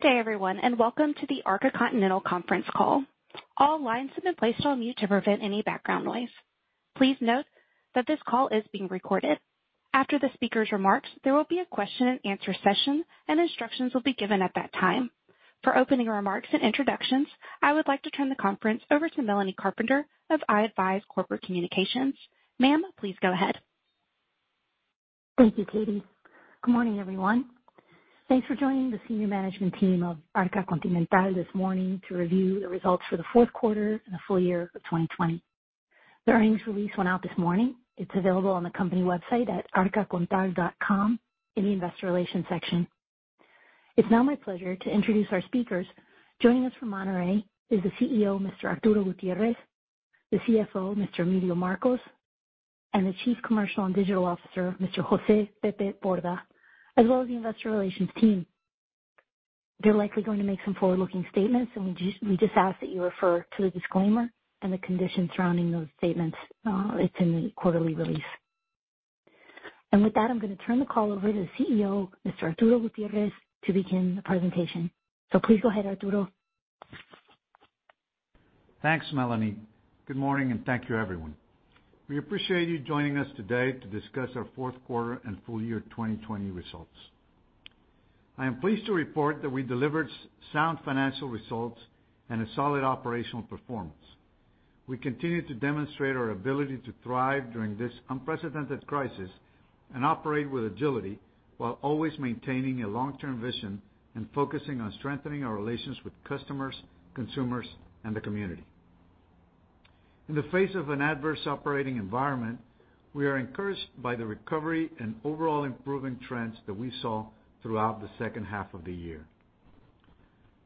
Good day everyone, and welcome to the Arca Continental conference call. All lines have been placed on mute to prevent any background noise. Please note that this call is being recorded. After the speaker's remarks, there will be a question and answer session and instructions will be given at that time. For opening remarks and introductions, I would like to turn the conference over to Melanie Carpenter of I-Advize Corporate Communications. Ma'am, please go ahead. Thank you, Katie. Good morning, everyone. Thanks for joining the senior management team of Arca Continental this morning to review the results for the fourth quarter and the full year of 2020. The earnings release went out this morning. It's available on the company website at arcacontal.com in the investor relations section. It's now my pleasure to introduce our speakers. Joining us from Monterrey is the CEO, Mr. Arturo Gutiérrez, the CFO, Mr. Emilio Marcos, and the Chief Commercial and Digital Officer, Mr. Jose Pepe Borda, as well as the investor relations team. They're likely going to make some forward-looking statements, and we just ask that you refer to the disclaimer and the conditions surrounding those statements. It's in the quarterly release. With that, I'm going to turn the call over to the CEO, Mr. Arturo Gutiérrez, to begin the presentation. Please go ahead, Arturo. Thanks, Melanie. Good morning, and thank you, everyone. We appreciate you joining us today to discuss our fourth quarter and full year 2020 results. I am pleased to report that we delivered sound financial results and a solid operational performance. We continue to demonstrate our ability to thrive during this unprecedented crisis and operate with agility while always maintaining a long-term vision and focusing on strengthening our relations with customers, consumers, and the community. In the face of an adverse operating environment, we are encouraged by the recovery and overall improving trends that we saw throughout the second half of the year.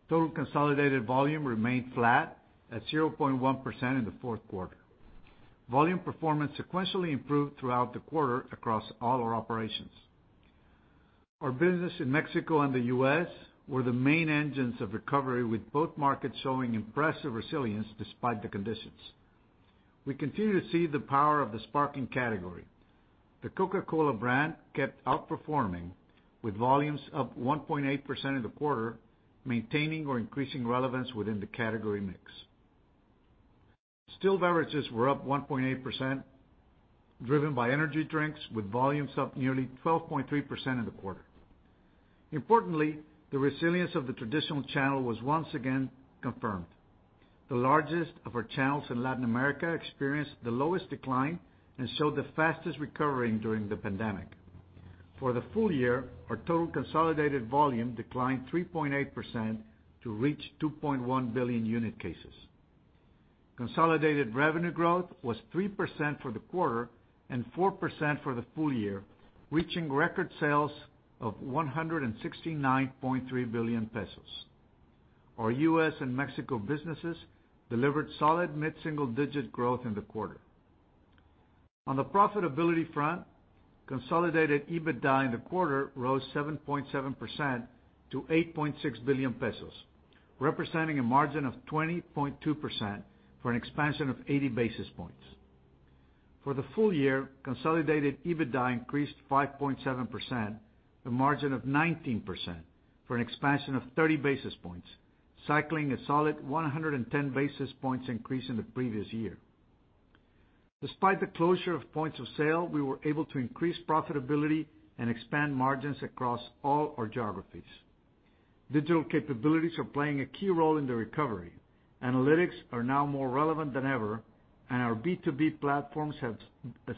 Total consolidated volume remained flat at 0.1% in the fourth quarter. Volume performance sequentially improved throughout the quarter across all our operations. Our business in Mexico and the U.S. were the main engines of recovery, with both markets showing impressive resilience despite the conditions. We continue to see the power of the sparkling category. The Coca-Cola brand kept outperforming, with volumes up 1.8% in the quarter, maintaining or increasing relevance within the category mix. Still beverages were up 1.8%, driven by energy drinks, with volumes up nearly 12.3% in the quarter. Importantly, the resilience of the traditional channel was once again confirmed. The largest of our channels in Latin America experienced the lowest decline and showed the fastest recovering during the pandemic. For the full year, our total consolidated volume declined 3.8% to reach 2.1 billion unit cases. Consolidated revenue growth was 3% for the quarter and 4% for the full year, reaching record sales of 169.3 billion pesos. Our U.S. and Mexico businesses delivered solid mid-single digit growth in the quarter. On the profitability front, consolidated EBITDA in the quarter rose 7.7% to 8.6 billion pesos, representing a margin of 20.2% for an expansion of 80 basis points. For the full year, consolidated EBITDA increased 5.7%, a margin of 19% for an expansion of 30 basis points, cycling a solid 110 basis points increase in the previous year. Despite the closure of points of sale, we were able to increase profitability and expand margins across all our geographies. Digital capabilities are playing a key role in the recovery. Analytics are now more relevant than ever, and our B2B platforms have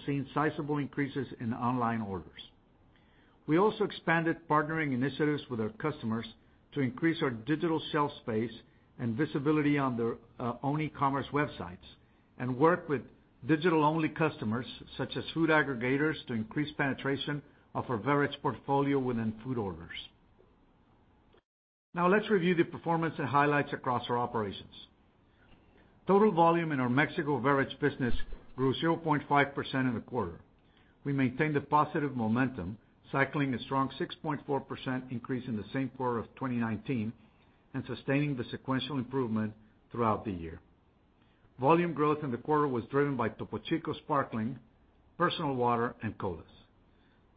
seen sizable increases in online orders. We also expanded partnering initiatives with our customers to increase our digital shelf space and visibility on their own e-commerce websites and work with digital-only customers, such as food aggregators, to increase penetration of our various portfolio within food orders. Now let's review the performance and highlights across our operations. Total volume in our Mexico beverage business grew 0.5% in the quarter. We maintained the positive momentum, cycling a strong 6.4% increase in the same quarter of 2019 and sustaining the sequential improvement throughout the year. Volume growth in the quarter was driven by Topo Chico Sparkling, personal water, and colas.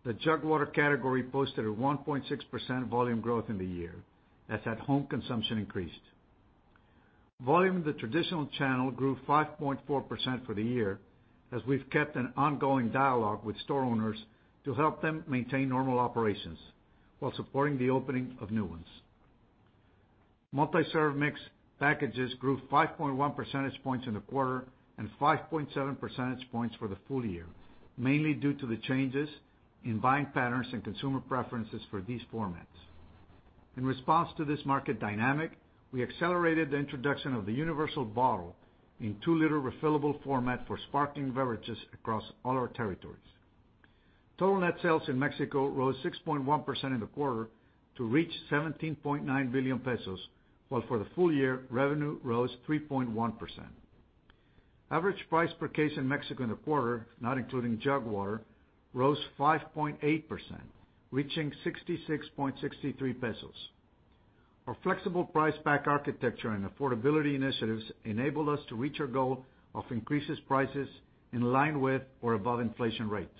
The jug water category posted a 1.6% volume growth in the year as at-home consumption increased. Volume in the traditional channel grew 5.4% for the year as we've kept an ongoing dialogue with store owners to help them maintain normal operations while supporting the opening of new ones. Multi-serve mix packages grew 5.1 percentage points in the quarter and 5.7 percentage points for the full year, mainly due to the changes in buying patterns and consumer preferences for these formats. In response to this market dynamic, we accelerated the introduction of the universal bottle in 2-liter refillable format for sparkling beverages across all our territories. Total net sales in Mexico rose 6.1% in the quarter to reach 17.9 billion pesos, while for the full year, revenue rose 3.1%. Average price per case in Mexico in the quarter, not including jug water, rose 5.8%, reaching 66.63 pesos. Our flexible price pack architecture and affordability initiatives enabled us to reach our goal of increases prices in line with or above inflation rates.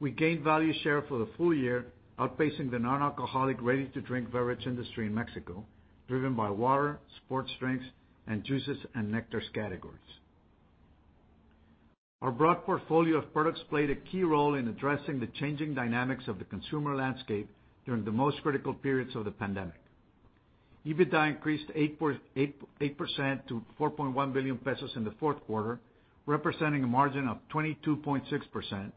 We gained value share for the full year, outpacing the non-alcoholic ready-to-drink beverage industry in Mexico, driven by water, sports drinks, and juices and nectars categories. Our broad portfolio of products played a key role in addressing the changing dynamics of the consumer landscape during the most critical periods of the pandemic. EBITDA increased 8% to 4.1 billion pesos in the fourth quarter, representing a margin of 22.6%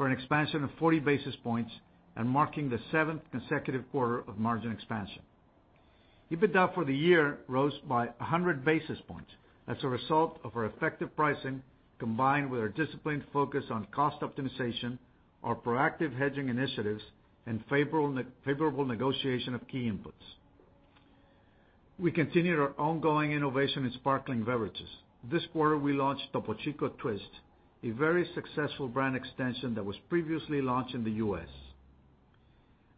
for an expansion of 40 basis points and marking the seventh consecutive quarter of margin expansion. EBITDA for the year rose by 100 basis points as a result of our effective pricing, combined with our disciplined focus on cost optimization, our proactive hedging initiatives, and favorable negotiation of key inputs. We continued our ongoing innovation in sparkling beverages. This quarter, we launched Topo Chico Twist, a very successful brand extension that was previously launched in the U.S.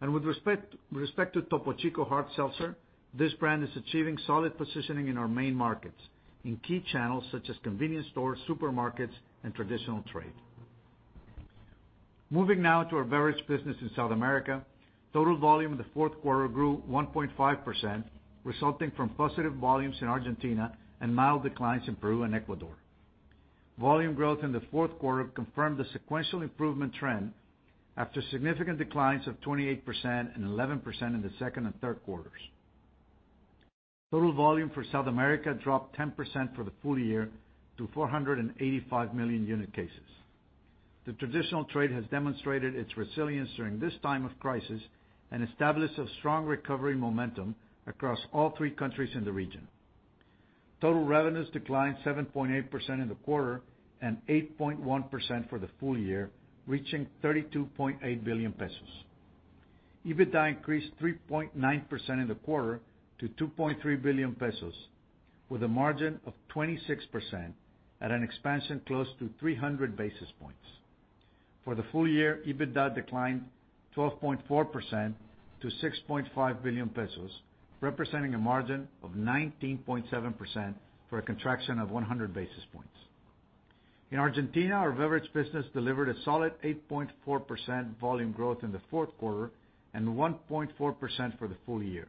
With respect to Topo Chico Hard Seltzer, this brand is achieving solid positioning in our main markets in key channels such as convenience stores, supermarkets, and traditional trade. Moving now to our beverage business in South America. Total volume in the fourth quarter grew 1.5%, resulting from positive volumes in Argentina and mild declines in Peru and Ecuador. Volume growth in the fourth quarter confirmed the sequential improvement trend after significant declines of 28% and 11% in the second and third quarters. Total volume for South America dropped 10% for the full year to 485 million unit cases. The traditional trade has demonstrated its resilience during this time of crisis and established a strong recovery momentum across all three countries in the region. Total revenues declined 7.8% in the quarter and 8.1% for the full year, reaching 32.8 billion pesos. EBITDA increased 3.9% in the quarter to 2.3 billion pesos, with a margin of 26% at an expansion close to 300 basis points. For the full year, EBITDA declined 12.4% to 6.5 billion pesos, representing a margin of 19.7% for a contraction of 100 basis points. In Argentina, our beverages business delivered a solid 8.4% volume growth in the fourth quarter and 1.4% for the full year.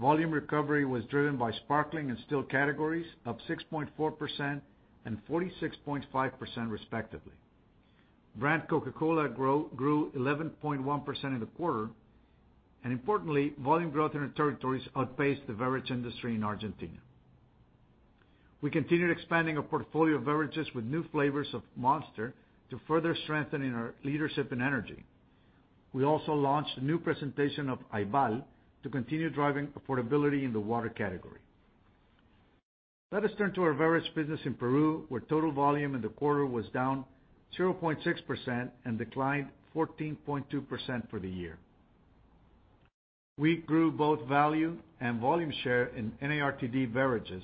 Volume recovery was driven by sparkling and still categories, up 6.4% and 46.5% respectively. Brand Coca-Cola grew 11.1% in the quarter, and importantly, volume growth in the territories outpaced the beverage industry in Argentina. We continued expanding our portfolio of beverages with new flavors of Monster to further strengthen our leadership in energy. We also launched a new presentation of Ival to continue driving affordability in the water category. Let us turn to our beverage business in Peru, where total volume in the quarter was down 0.6% and declined 14.2% for the year. We grew both value and volume share in NARTD beverages,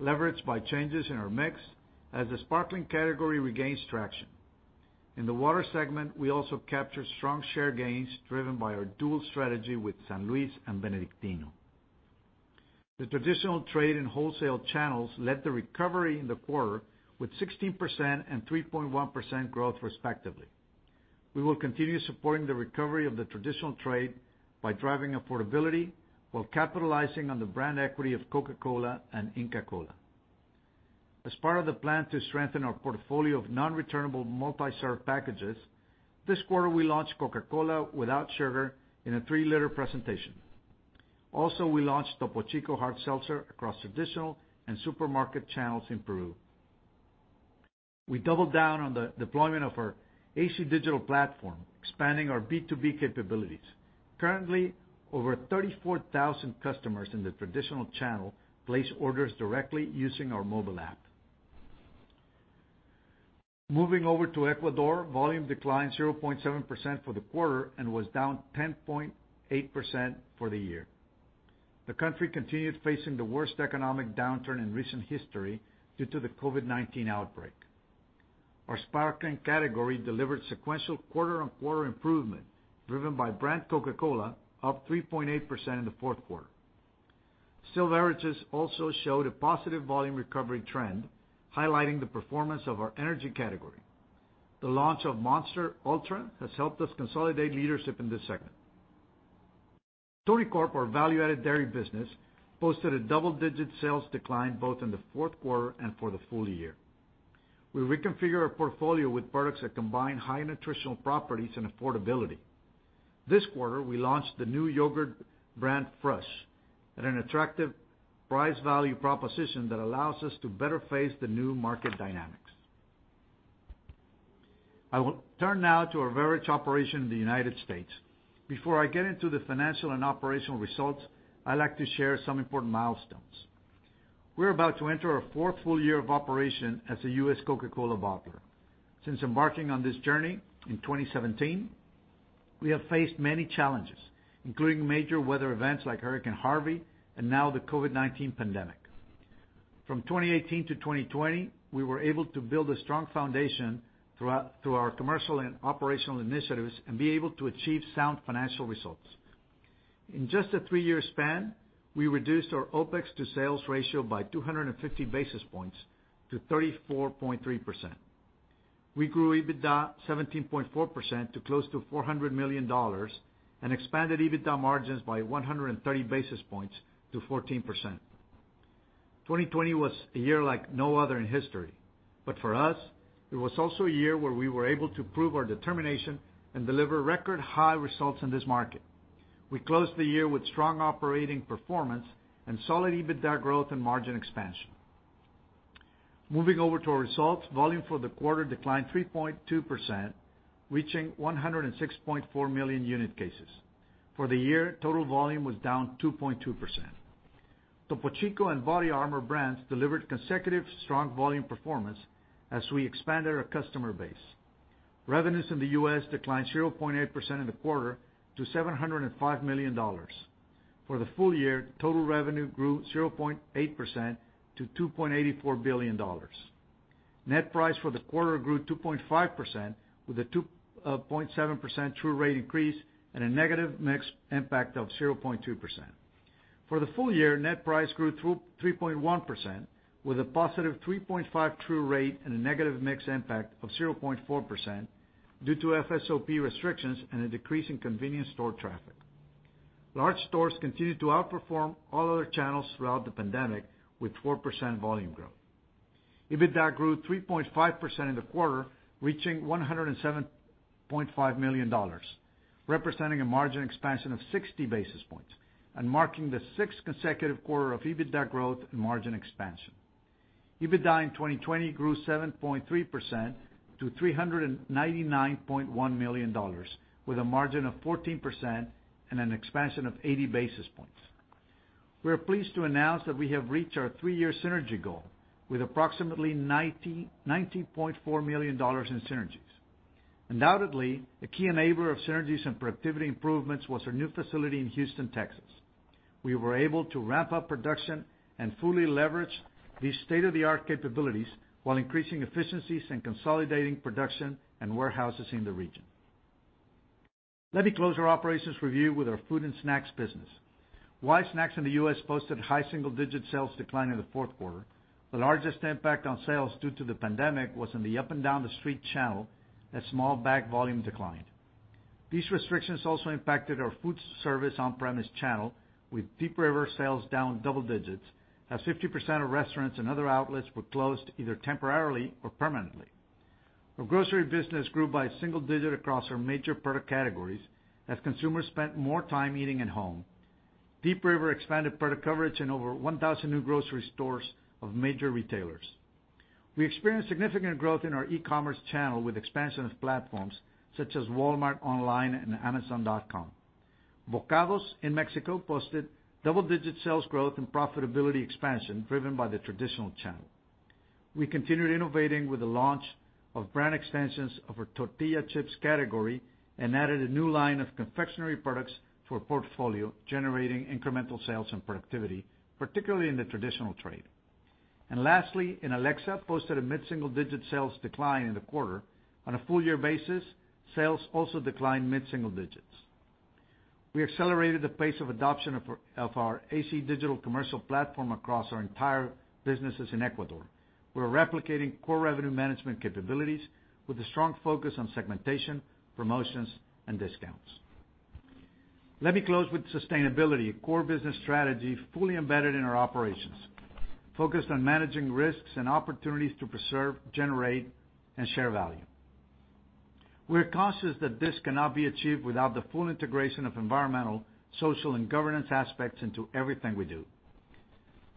leveraged by changes in our mix as the sparkling category regains traction. In the water segment, we also captured strong share gains driven by our dual strategy with San Luis and Benedictino. The traditional trade and wholesale channels led the recovery in the quarter with 16% and 3.1% growth respectively. We will continue supporting the recovery of the traditional trade by driving affordability while capitalizing on the brand equity of Coca-Cola and Inca Kola. As part of the plan to strengthen our portfolio of non-returnable multi-serve packages, this quarter, we launched Coca-Cola without sugar in a three-liter presentation. Also, we launched Topo Chico Hard Seltzer across traditional and supermarket channels in Peru. We doubled down on the deployment of our AC Digital platform, expanding our B2B capabilities. Currently, over 34,000 customers in the traditional channel place orders directly using our mobile app. Moving over to Ecuador, volume declined 0.7% for the quarter and was down 10.8% for the year. The country continued facing the worst economic downturn in recent history due to the COVID-19 outbreak. Our sparkling category delivered sequential quarter-on-quarter improvement, driven by brand Coca-Cola, up 3.8% in the fourth quarter. Still beverages also showed a positive volume recovery trend, highlighting the performance of our energy category. The launch of Monster Ultra has helped us consolidate leadership in this segment. Tonicorp, our value-added dairy business, posted a double-digit sales decline both in the fourth quarter and for the full year. We reconfigure our portfolio with products that combine high nutritional properties and affordability. This quarter, we launched the new yogurt brand, (fresh), at an attractive price-value proposition that allows us to better face the new market dynamics. I will turn now to our beverage operation in the United States. Before I get into the financial and operational results, I'd like to share some important milestones. We're about to enter our fourth full year of operation as a U.S. Coca-Cola bottler. Since embarking on this journey in 2017, we have faced many challenges, including major weather events like Hurricane Harvey and now the COVID-19 pandemic. From 2018 to 2020, we were able to build a strong foundation through our commercial and operational initiatives and be able to achieve sound financial results. In just a three-year span, we reduced our OpEx to sales ratio by 250 basis points to 34.3%. We grew EBITDA 17.4% to close to $400 million and expanded EBITDA margins by 130 basis points to 14%. 2020 was a year like no other in history. For us, it was also a year where we were able to prove our determination and deliver record-high results in this market. We closed the year with strong operating performance and solid EBITDA growth and margin expansion. Moving over to our results, volume for the quarter declined 3.2%, reaching 106.4 million unit cases. For the year, total volume was down 2.2%. Topo Chico and BODYARMOR brands delivered consecutive strong volume performance as we expanded our customer base. Revenues in the U.S. declined 0.8% in the quarter to $705 million. For the full year, total revenue grew 0.8% to $2.84 billion. Net price for the quarter grew 2.5% with a 2.7% true rate increase and a negative mix impact of 0.2%. For the full year, net price grew 3.1% with a positive 3.5% true rate and a negative mix impact of 0.4% due to FSOP restrictions and a decrease in convenience store traffic. Large stores continued to outperform all other channels throughout the pandemic with 4% volume growth. EBITDA grew 3.5% in the quarter, reaching $107.5 million, representing a margin expansion of 60 basis points and marking the sixth consecutive quarter of EBITDA growth and margin expansion. EBITDA in 2020 grew 7.3% to $399.1 million with a margin of 14% and an expansion of 80 basis points. We are pleased to announce that we have reached our three-year synergy goal with approximately $90.4 million in synergies. Undoubtedly, the key enabler of synergies and productivity improvements was our new facility in Houston, Texas. We were able to ramp up production and fully leverage these state-of-the-art capabilities while increasing efficiencies and consolidating production and warehouses in the region. Let me close our operations review with our food and snacks business. Wise snacks in the U.S. posted high single-digit sales decline in the fourth quarter. The largest impact on sales due to the pandemic was in the up and down the street channel as small bag volume declined. These restrictions also impacted our food service on-premise channel with Deep River sales down double digits as 50% of restaurants and other outlets were closed, either temporarily or permanently. Our grocery business grew by single digit across our major product categories as consumers spent more time eating at home. Deep River expanded product coverage in over 1,000 new grocery stores of major retailers. We experienced significant growth in our e-commerce channel with expansion of platforms such as Walmart Online and amazon.com. Bokados in Mexico posted double-digit sales growth and profitability expansion driven by the traditional channel. We continued innovating with the launch of brand extensions of our tortilla chips category and added a new line of confectionery products to our portfolio, generating incremental sales and productivity, particularly in the traditional trade. Lastly, Inalecsa posted a mid-single digit sales decline in the quarter. On a full year basis, sales also declined mid-single digits. We accelerated the pace of adoption of our AC Digital commercial platform across our entire businesses in Ecuador. We're replicating core revenue management capabilities with a strong focus on segmentation, promotions, and discounts. Let me close with sustainability, a core business strategy fully embedded in our operations, focused on managing risks and opportunities to preserve, generate, and share value. We are conscious that this cannot be achieved without the full integration of environmental, social, and governance aspects into everything we do.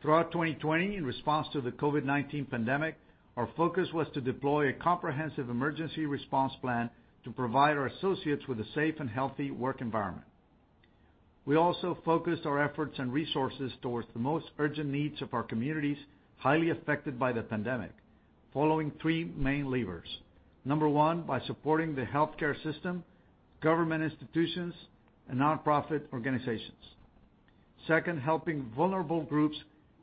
Throughout 2020, in response to the COVID-19 pandemic, our focus was to deploy a comprehensive emergency response plan to provide our associates with a safe and healthy work environment. We also focused our efforts and resources towards the most urgent needs of our communities highly affected by the pandemic, following three main levers. Number one, by supporting the healthcare system, government institutions, and nonprofit organizations. Second, helping vulnerable groups,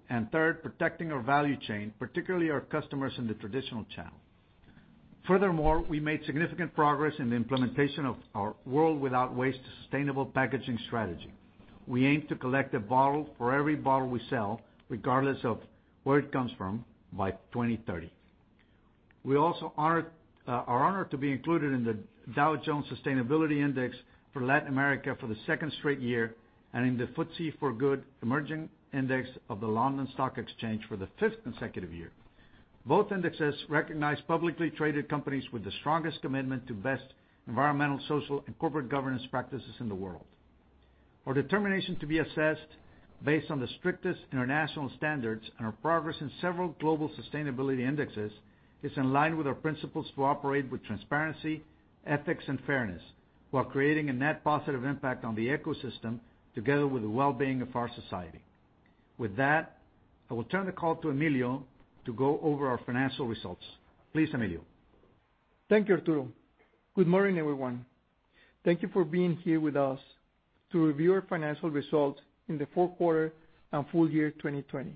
and third, protecting our value chain, particularly our customers in the traditional channel. Furthermore, we made significant progress in the implementation of our World Without Waste sustainable packaging strategy. We aim to collect a bottle for every bottle we sell, regardless of where it comes from, by 2030. We also are honored to be included in the Dow Jones Sustainability Index for Latin America for the second straight year and in the FTSE4Good emerging index of the London Stock Exchange for the fifth consecutive year. Both indexes recognize publicly traded companies with the strongest commitment to best environmental, social, and corporate governance practices in the world. Our determination to be assessed based on the strictest international standards and our progress in several global sustainability indexes is in line with our principles to operate with transparency, ethics, and fairness while creating a net positive impact on the ecosystem together with the wellbeing of our society. With that, I will turn the call to Emilio to go over our financial results. Please, Emilio. Thank you, Arturo. Good morning, everyone, thank you for being here with us to review our financial results in the fourth quarter and full year 2020.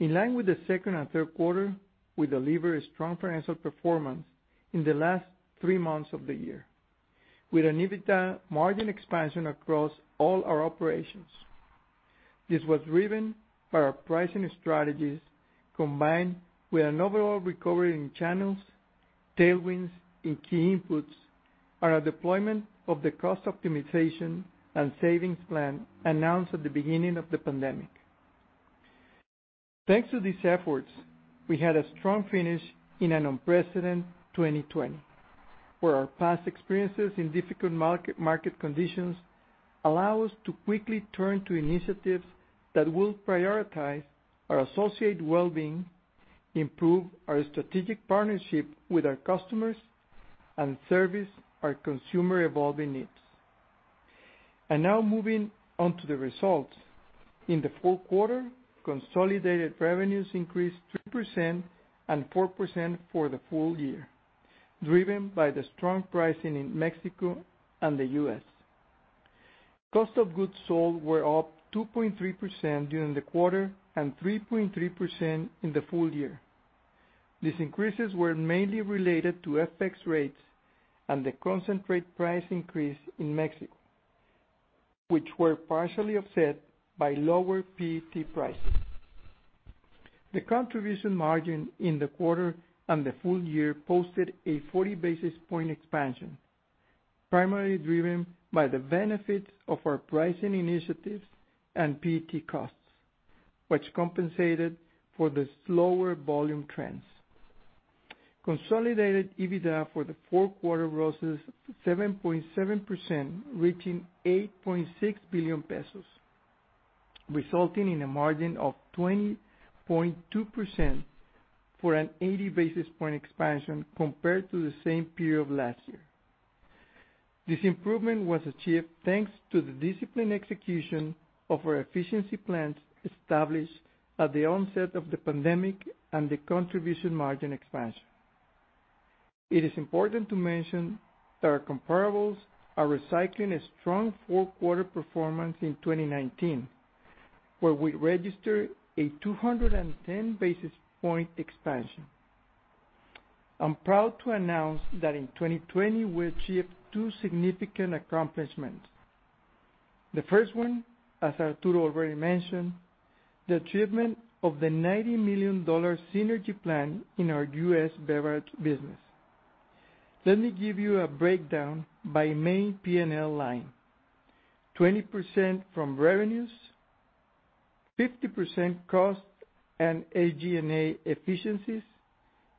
In line with the second and third quarter, we delivered a strong financial performance in the last three months of the year, with an EBITDA margin expansion across all our operations. This was driven by our pricing strategies, combined with an overall recovery in channels, tailwinds in key inputs, and a deployment of the cost optimization and savings plan announced at the beginning of the pandemic. Thanks to these efforts, we had a strong finish in an unprecedented 2020, where our past experiences in difficult market conditions allow us to quickly turn to initiatives that will prioritize our associate well-being, improve our strategic partnership with our customers, and service our consumer evolving needs. Now moving on to the results. In the full quarter, consolidated revenues increased 3% and 4% for the full year, driven by the strong pricing in Mexico and the U.S. Cost of goods sold were up 2.3% during the quarter and 3.3% in the full year. These increases were mainly related to FX rates and the concentrate price increase in Mexico, which were partially offset by lower PET prices. The contribution margin in the quarter and the full year posted a 40 basis point expansion, primarily driven by the benefits of our pricing initiatives and PET costs, which compensated for the slower volume trends. Consolidated EBITDA for the fourth quarter roses 7.7%, reaching 8.6 billion pesos, resulting in a margin of 20.2% for an 80 basis point expansion compared to the same period last year. This improvement was achieved thanks to the disciplined execution of our efficiency plans established at the onset of the pandemic and the contribution margin expansion. It is important to mention that our comparables are recycling a strong fourth quarter performance in 2019, where we registered a 210 basis point expansion. I'm proud to announce that in 2020, we achieved two significant accomplishments. The first one, as Arturo already mentioned, the achievement of the $90 million synergy plan in our U.S. beverage business. Let me give you a breakdown by main P&L line. 20% from revenues, 50% cost and SG&A efficiencies,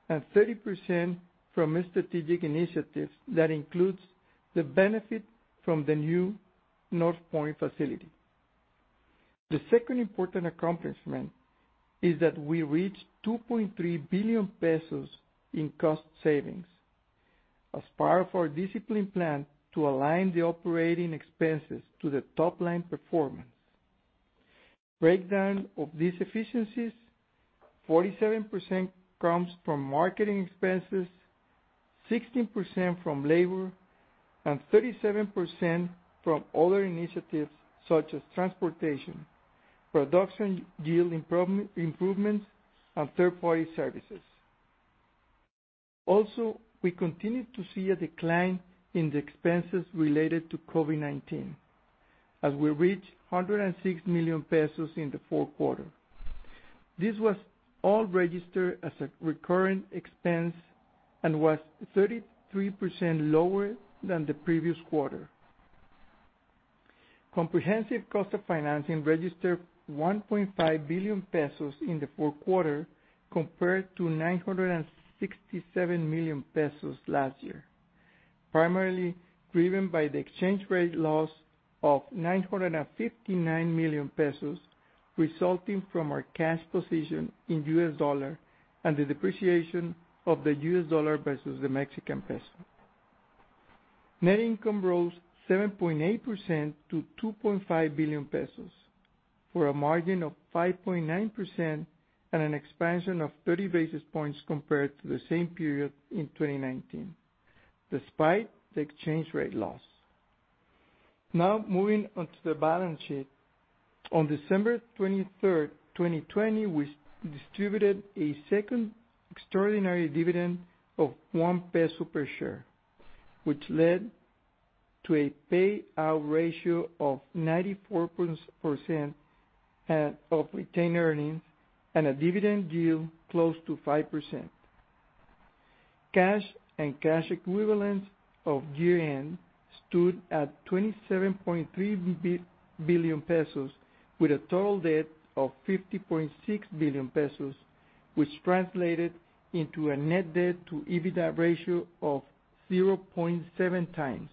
and 30% from strategic initiatives. That includes the benefit from the new North Point facility. The second important accomplishment is that we reached 2.3 billion pesos in cost savings as part of our discipline plan to align the operating expenses to the top-line performance. Breakdown of these efficiencies, 47% comes from marketing expenses, 16% from labor, and 37% from other initiatives such as transportation, production yield improvements, and third-party services. Also, we continued to see a decline in the expenses related to COVID-19 as we reached 106 million pesos in the fourth quarter. This was all registered as a recurrent expense and was 33% lower than the previous quarter. Comprehensive cost of financing registered 1.5 billion pesos in the fourth quarter, compared to 967 million pesos last year, primarily driven by the exchange rate loss of 959 million pesos resulting from our cash position in US dollar and the depreciation of the US dollar versus the Mexican peso. Net income rose 7.8% to 2.5 billion pesos for a margin of 5.9% and an expansion of 30 basis points compared to the same period in 2019, despite the exchange rate loss. Now moving on to the balance sheet. On December 23rd, 2020, we distributed a second extraordinary dividend of 1 peso per share, which led to a payout ratio of 94% of retained earnings and a dividend yield close to 5%. Cash and cash equivalents of year-end stood at 27.3 billion pesos, with a total debt of 50.6 billion pesos, which translated into a net debt to EBITDA ratio of 0.7x.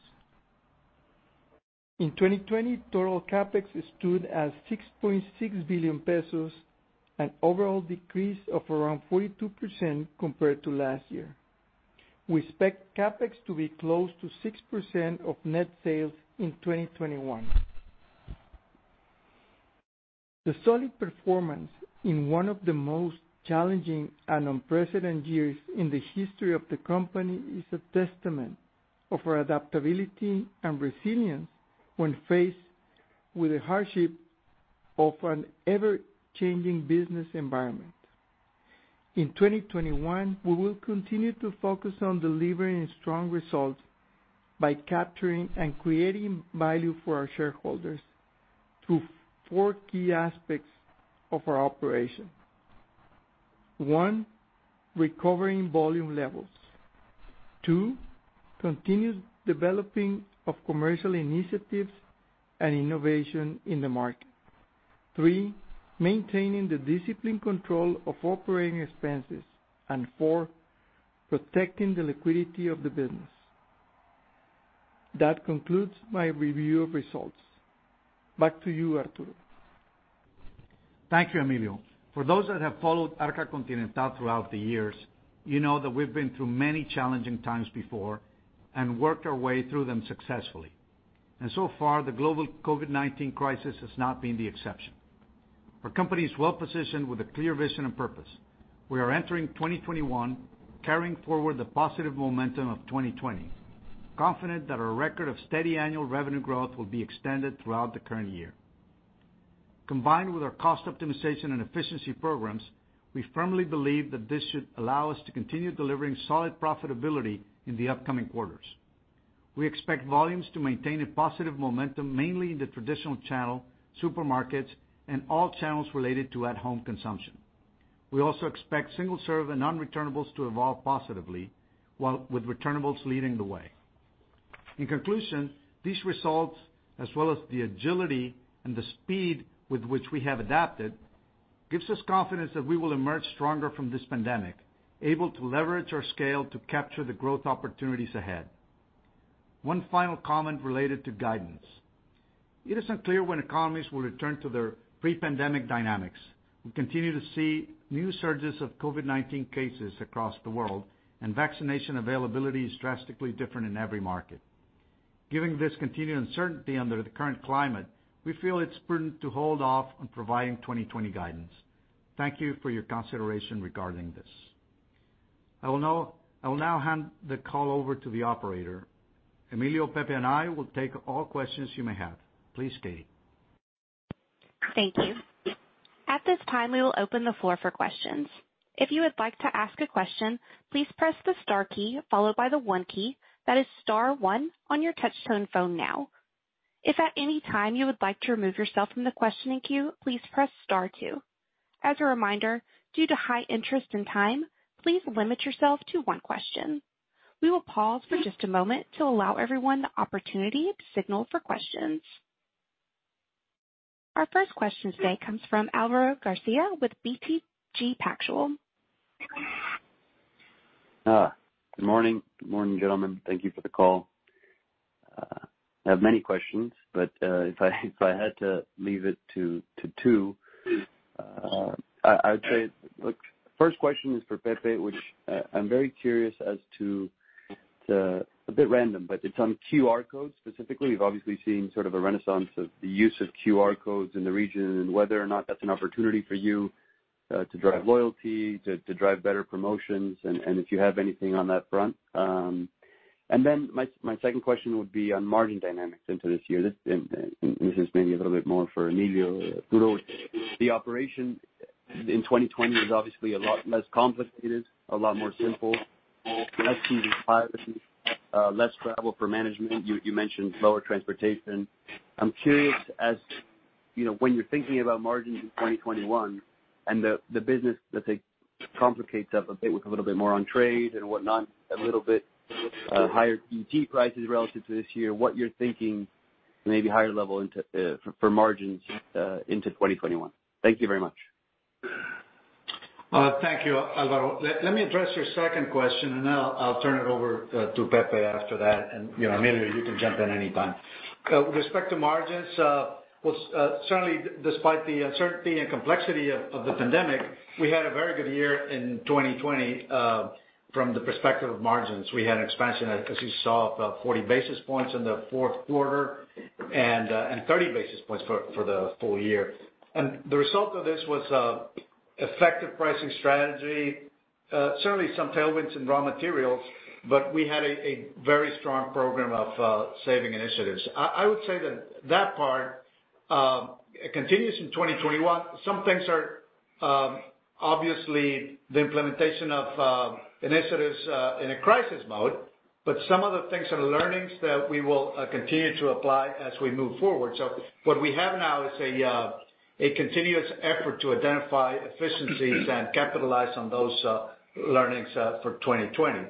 In 2020, total CapEx stood at 6.6 billion pesos, an overall decrease of around 42% compared to last year. We expect CapEx to be close to 6% of net sales in 2021. The solid performance in one of the most challenging and unprecedented years in the history of the company is a testament of our adaptability and resilience when faced with the hardship of an ever-changing business environment. In 2021, we will continue to focus on delivering strong results by capturing and creating value for our shareholders through four key aspects of our operation. One, recovering volume levels. Two, continuous developing of commercial initiatives and innovation in the market. Three, maintaining the discipline control of operating expenses. Four, protecting the liquidity of the business. That concludes my review of results. Back to you, Arturo. Thank you, Emilio. For those that have followed Arca Continental throughout the years, you know that we've been through many challenging times before and worked our way through them successfully. So far, the global COVID-19 crisis has not been the exception. Our company is well-positioned with a clear vision and purpose. We are entering 2021 carrying forward the positive momentum of 2020, confident that our record of steady annual revenue growth will be extended throughout the current year. Combined with our cost optimization and efficiency programs, we firmly believe that this should allow us to continue delivering solid profitability in the upcoming quarters. We expect volumes to maintain a positive momentum mainly in the traditional channel, supermarkets, and all channels related to at-home consumption. We also expect single-serve and non-returnables to evolve positively, with returnables leading the way. In conclusion, these results, as well as the agility and the speed with which we have adapted, gives us confidence that we will emerge stronger from this pandemic, able to leverage our scale to capture the growth opportunities ahead. One final comment related to guidance. It is unclear when economies will return to their pre-pandemic dynamics. We continue to see new surges of COVID-19 cases across the world, and vaccination availability is drastically different in every market. Given this continued uncertainty under the current climate, we feel it's prudent to hold off on providing 2020 guidance. Thank you for your consideration regarding this. I will now hand the call over to the operator. Emilio, Pepe, and I will take all questions you may have. Please stay. Thank you. At this time, we will open the floor for questions. If you would like to ask a question, please press the star key followed by the one key. That is star one on your touch tone phone now. If at any time you would like to remove yourself from the questioning queue, please press star two. As a reminder, due to high interest and time, please limit yourself to one question. We will pause for just a moment to allow everyone the opportunity to signal for questions. Our first question today comes from Alvaro Garcia with BTG Pactual. Good morning. Good morning, gentlemen, thank you for the call. I have many questions, but if I had to leave it to two, I would say, look, first question is for Pepe, which I'm very curious as to. It's a bit random, but it's on QR codes specifically. We've obviously seen sort of a renaissance of the use of QR codes in the region and whether or not that's an opportunity for you, to drive loyalty, to drive better promotions, and if you have anything on that front. My second question would be on margin dynamics into this year. This is maybe a little bit more for Emilio or Arturo. The operation in 2020 is obviously a lot less complicated, a lot more simple, less team requirements, less travel for management. You mentioned lower transportation. I'm curious as when you're thinking about margins in 2021 and the business let's say complicates up a bit with a little bit more on trade and whatnot, a little bit higher GT prices relative to this year, what you're thinking maybe higher level for margins into 2021? Thank you very much. Thank you, Alvaro. Let me address your second question, and then I'll turn it over to Pepe after that. Emilio, you can jump in any time. With respect to margins, certainly despite the uncertainty and complexity of the pandemic, we had a very good year in 2020 from the perspective of margins. We had an expansion, as you saw, of 40 basis points in the fourth quarter and 30 basis points for the full year. The result of this was effective pricing strategy. Certainly, some tailwinds and raw materials, but we had a very strong program of saving initiatives. I would say that part continues in 2021. Some things are obviously the implementation of initiatives in a crisis mode, but some of the things are learnings that we will continue to apply as we move forward. What we have now is a continuous effort to identify efficiencies and capitalize on those learnings for 2020.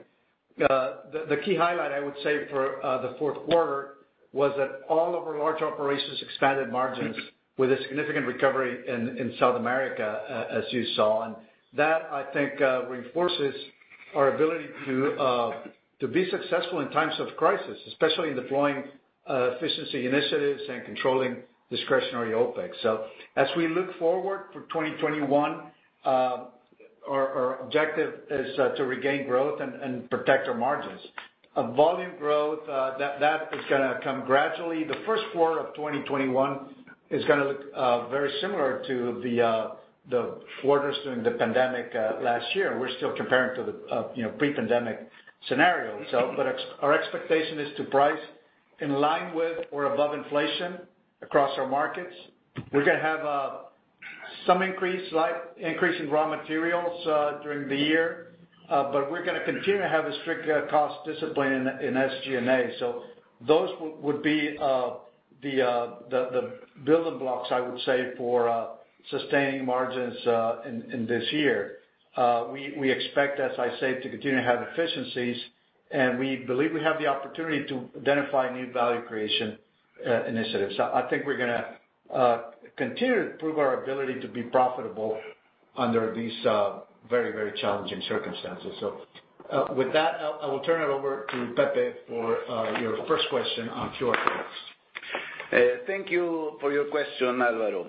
The key highlight I would say for the fourth quarter was that all of our large operations expanded margins with a significant recovery in South America, as you saw. That, I think, reinforces our ability to be successful in times of crisis, especially in deploying efficiency initiatives and controlling discretionary OpEx. As we look forward for 2021, our objective is to regain growth and protect our margins. Volume growth, that is going to come gradually. The first quarter of 2021 is going to look very similar to the quarters during the pandemic last year. We're still comparing to the pre-pandemic scenario, but our expectation is to price in line with or above inflation across our markets. We're going to have some increase, slight increase in raw materials during the year, but we're going to continue to have a strict cost discipline in SG&A. Those would be the building blocks, I would say, for sustaining margins in this year. We expect, as I said, to continue to have efficiencies, and we believe we have the opportunity to identify new value creation initiatives. I think we're going to continue to prove our ability to be profitable under these very challenging circumstances. With that, I will turn it over to Pepe for your first question on QR codes. Thank you for your question, Alvaro.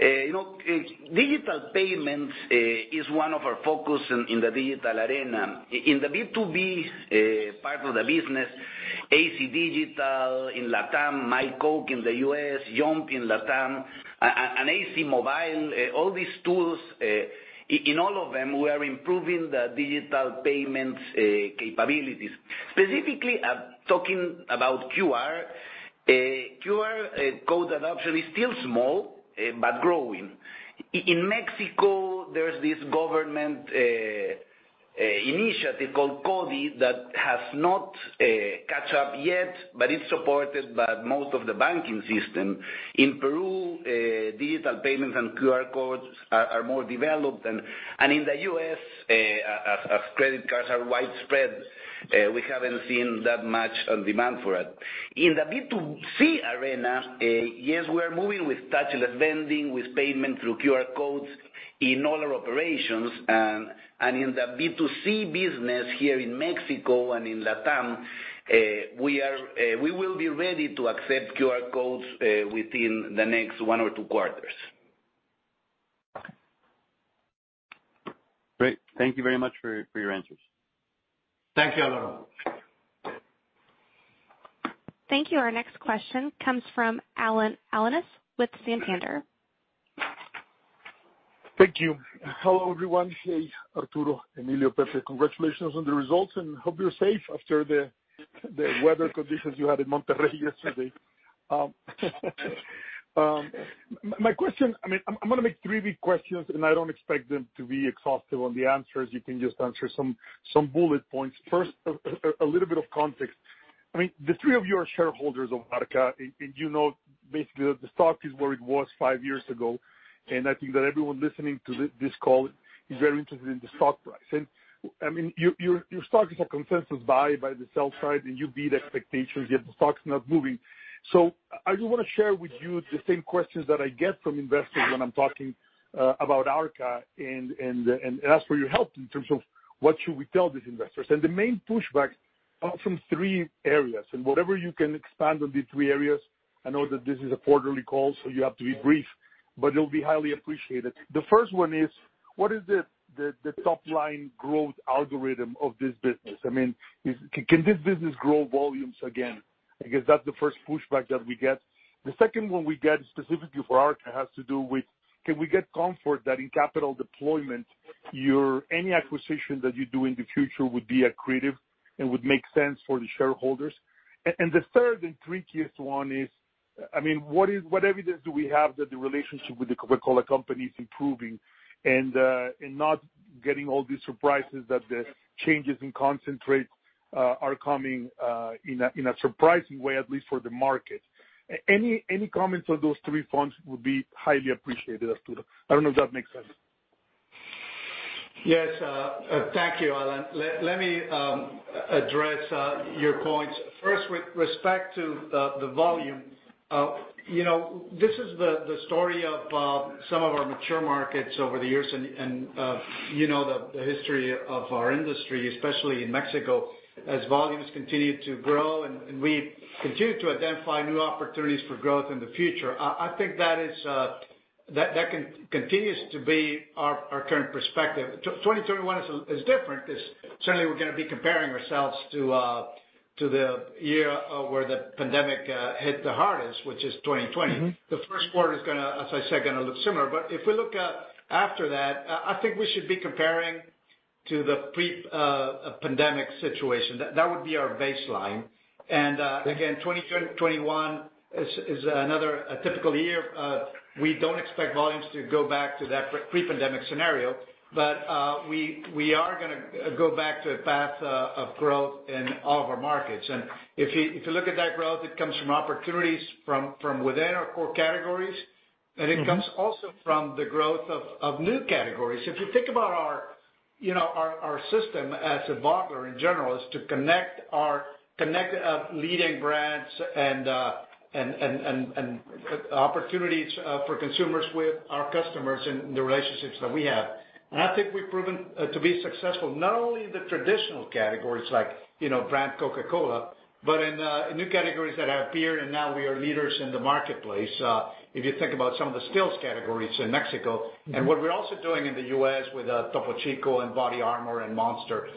Digital payments is one of our focus in the digital arena. In the B2B part of the business, AC Digital in LATAM, myCoke in the U.S., Yomp! in LATAM, and AC Mobile, all these tools, in all of them, we are improving the digital payments capabilities. Specifically, talking about QR code adoption is still small, but growing. In Mexico, there is this government initiative called CoDi that has not caught up yet, but it is supported by most of the banking system. In Peru, digital payments and QR codes are more developed, and in the U.S., as credit cards are widespread, we haven't seen that much demand for it. In the B2C arena, yes, we are moving with touchless vending, with payment through QR codes in all our operations. In the B2C business here in Mexico and in LATAM, we will be ready to accept QR codes within the next one or two quarters. Great. Thank you very much for your answers. Thank you, Alvaro. Thank you. Our next question comes from Alan Alanis with Santander. Thank you. Hello, everyone. Hey, Arturo, Emilio, Pepe. Congratulations on the results and hope you're safe after the weather conditions you had in Monterrey yesterday. My question, I'm going to make three big questions, and I don't expect them to be exhaustive on the answers, you can just answer some bullet points. First, a little bit of context. The three of you are shareholders of Arca, and you know basically that the stock is where it was five years ago, and I think that everyone listening to this call is very interested in the stock price. Your stock is a consensus buy by the sell side, and you beat expectations, yet the stock's not moving. I just want to share with you the same questions that I get from investors when I'm talking about Arca and ask for your help in terms of what should we tell these investors. The main pushbacks are from three areas, and whatever you can expand on these three areas, I know that this is a quarterly call, so you have to be brief, but it'll be highly appreciated. The first one is, what is the top-line growth algorithm of this business? Can this business grow volumes again, because that's the first pushback that we get. The second one we get specifically for Arca has to do with, can we get comfort that in capital deployment, any acquisition that you do in the future would be accretive and would make sense for the shareholders? The third and trickiest one is, what evidence do we have that the relationship with The Coca-Cola Company is improving and not getting all these surprises that the changes in concentrate are coming in a surprising way, at least for the market? Any comments on those three points would be highly appreciated, Arturo. I don't know if that makes sense. Yes. Thank you, Alan. Let me address your points. First, with respect to the volume, this is the story of some of our mature markets over the years and the history of our industry, especially in Mexico, as volumes continue to grow and we continue to identify new opportunities for growth in the future. I think that continues to be our current perspective. 2021 is different because certainly we're going to be comparing ourselves to the year where the pandemic hit the hardest, which is 2020. The first quarter is, as I said, going to look similar. If we look at after that, I think we should be comparing to the pre-pandemic situation. That would be our baseline. Again, 2021 is another typical year. We don't expect volumes to go back to that pre-pandemic scenario, but we are going to go back to a path of growth in all of our markets. If you look at that growth, it comes from opportunities from within our core categories. It comes also from the growth of new categories. If you think about our system as a bottler, in general, is to connect leading brands and opportunities for consumers with our customers and the relationships that we have. I think we've proven to be successful, not only in the traditional categories like brand Coca-Cola, but in new categories that have appeared and now we are leaders in the marketplace. If you think about some of the stills categories in Mexico. What we're also doing in the U.S. with Topo Chico and BODYARMOR and Monster.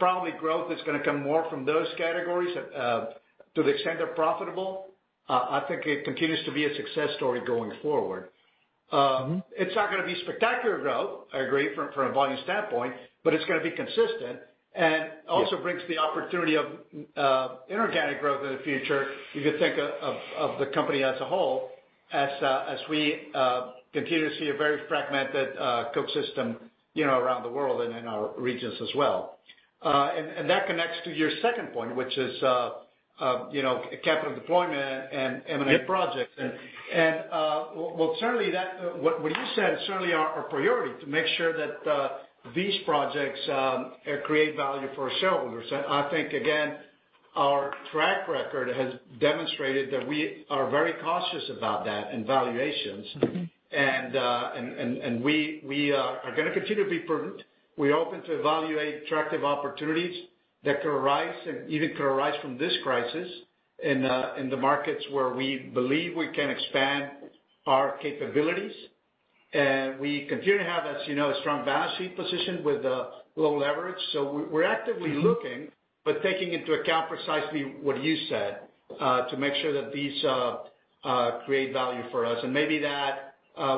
Probably growth is going to come more from those categories to the extent they're profitable. I think it continues to be a success story going forward. It's not going to be spectacular growth, I agree, from a volume standpoint, but it's going to be consistent and also brings the opportunity of inorganic growth in the future. You can think of the company as a whole, as we continue to see a very fragmented Coke system around the world and in our regions as well. That connects to your second point, which is capital deployment and M&A projects. What you said is certainly our priority, to make sure that these projects create value for our shareholders. I think, again, our track record has demonstrated that we are very cautious about that in valuations. We are going to continue to be prudent. We're open to evaluate attractive opportunities that could arise, and even could arise from this crisis, in the markets where we believe we can expand our capabilities. We continue to have, as you know, a strong balance sheet position with low leverage. We're actively looking, but taking into account precisely what you said, to make sure that these create value for us. Maybe that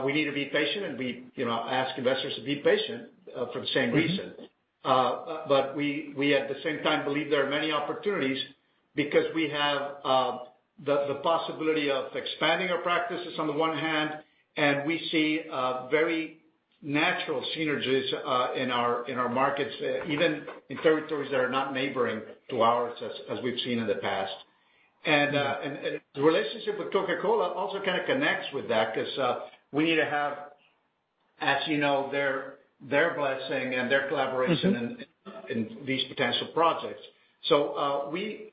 we need to be patient and we ask investors to be patient for the same reason. We, at the same time, believe there are many opportunities because we have the possibility of expanding our practices on the one hand, and we see very natural synergies in our markets, even in territories that are not neighboring to ours, as we've seen in the past. The relationship with Coca-Cola also kind of connects with that because we need to have, as you know, their blessing and their collaboration in these potential projects. We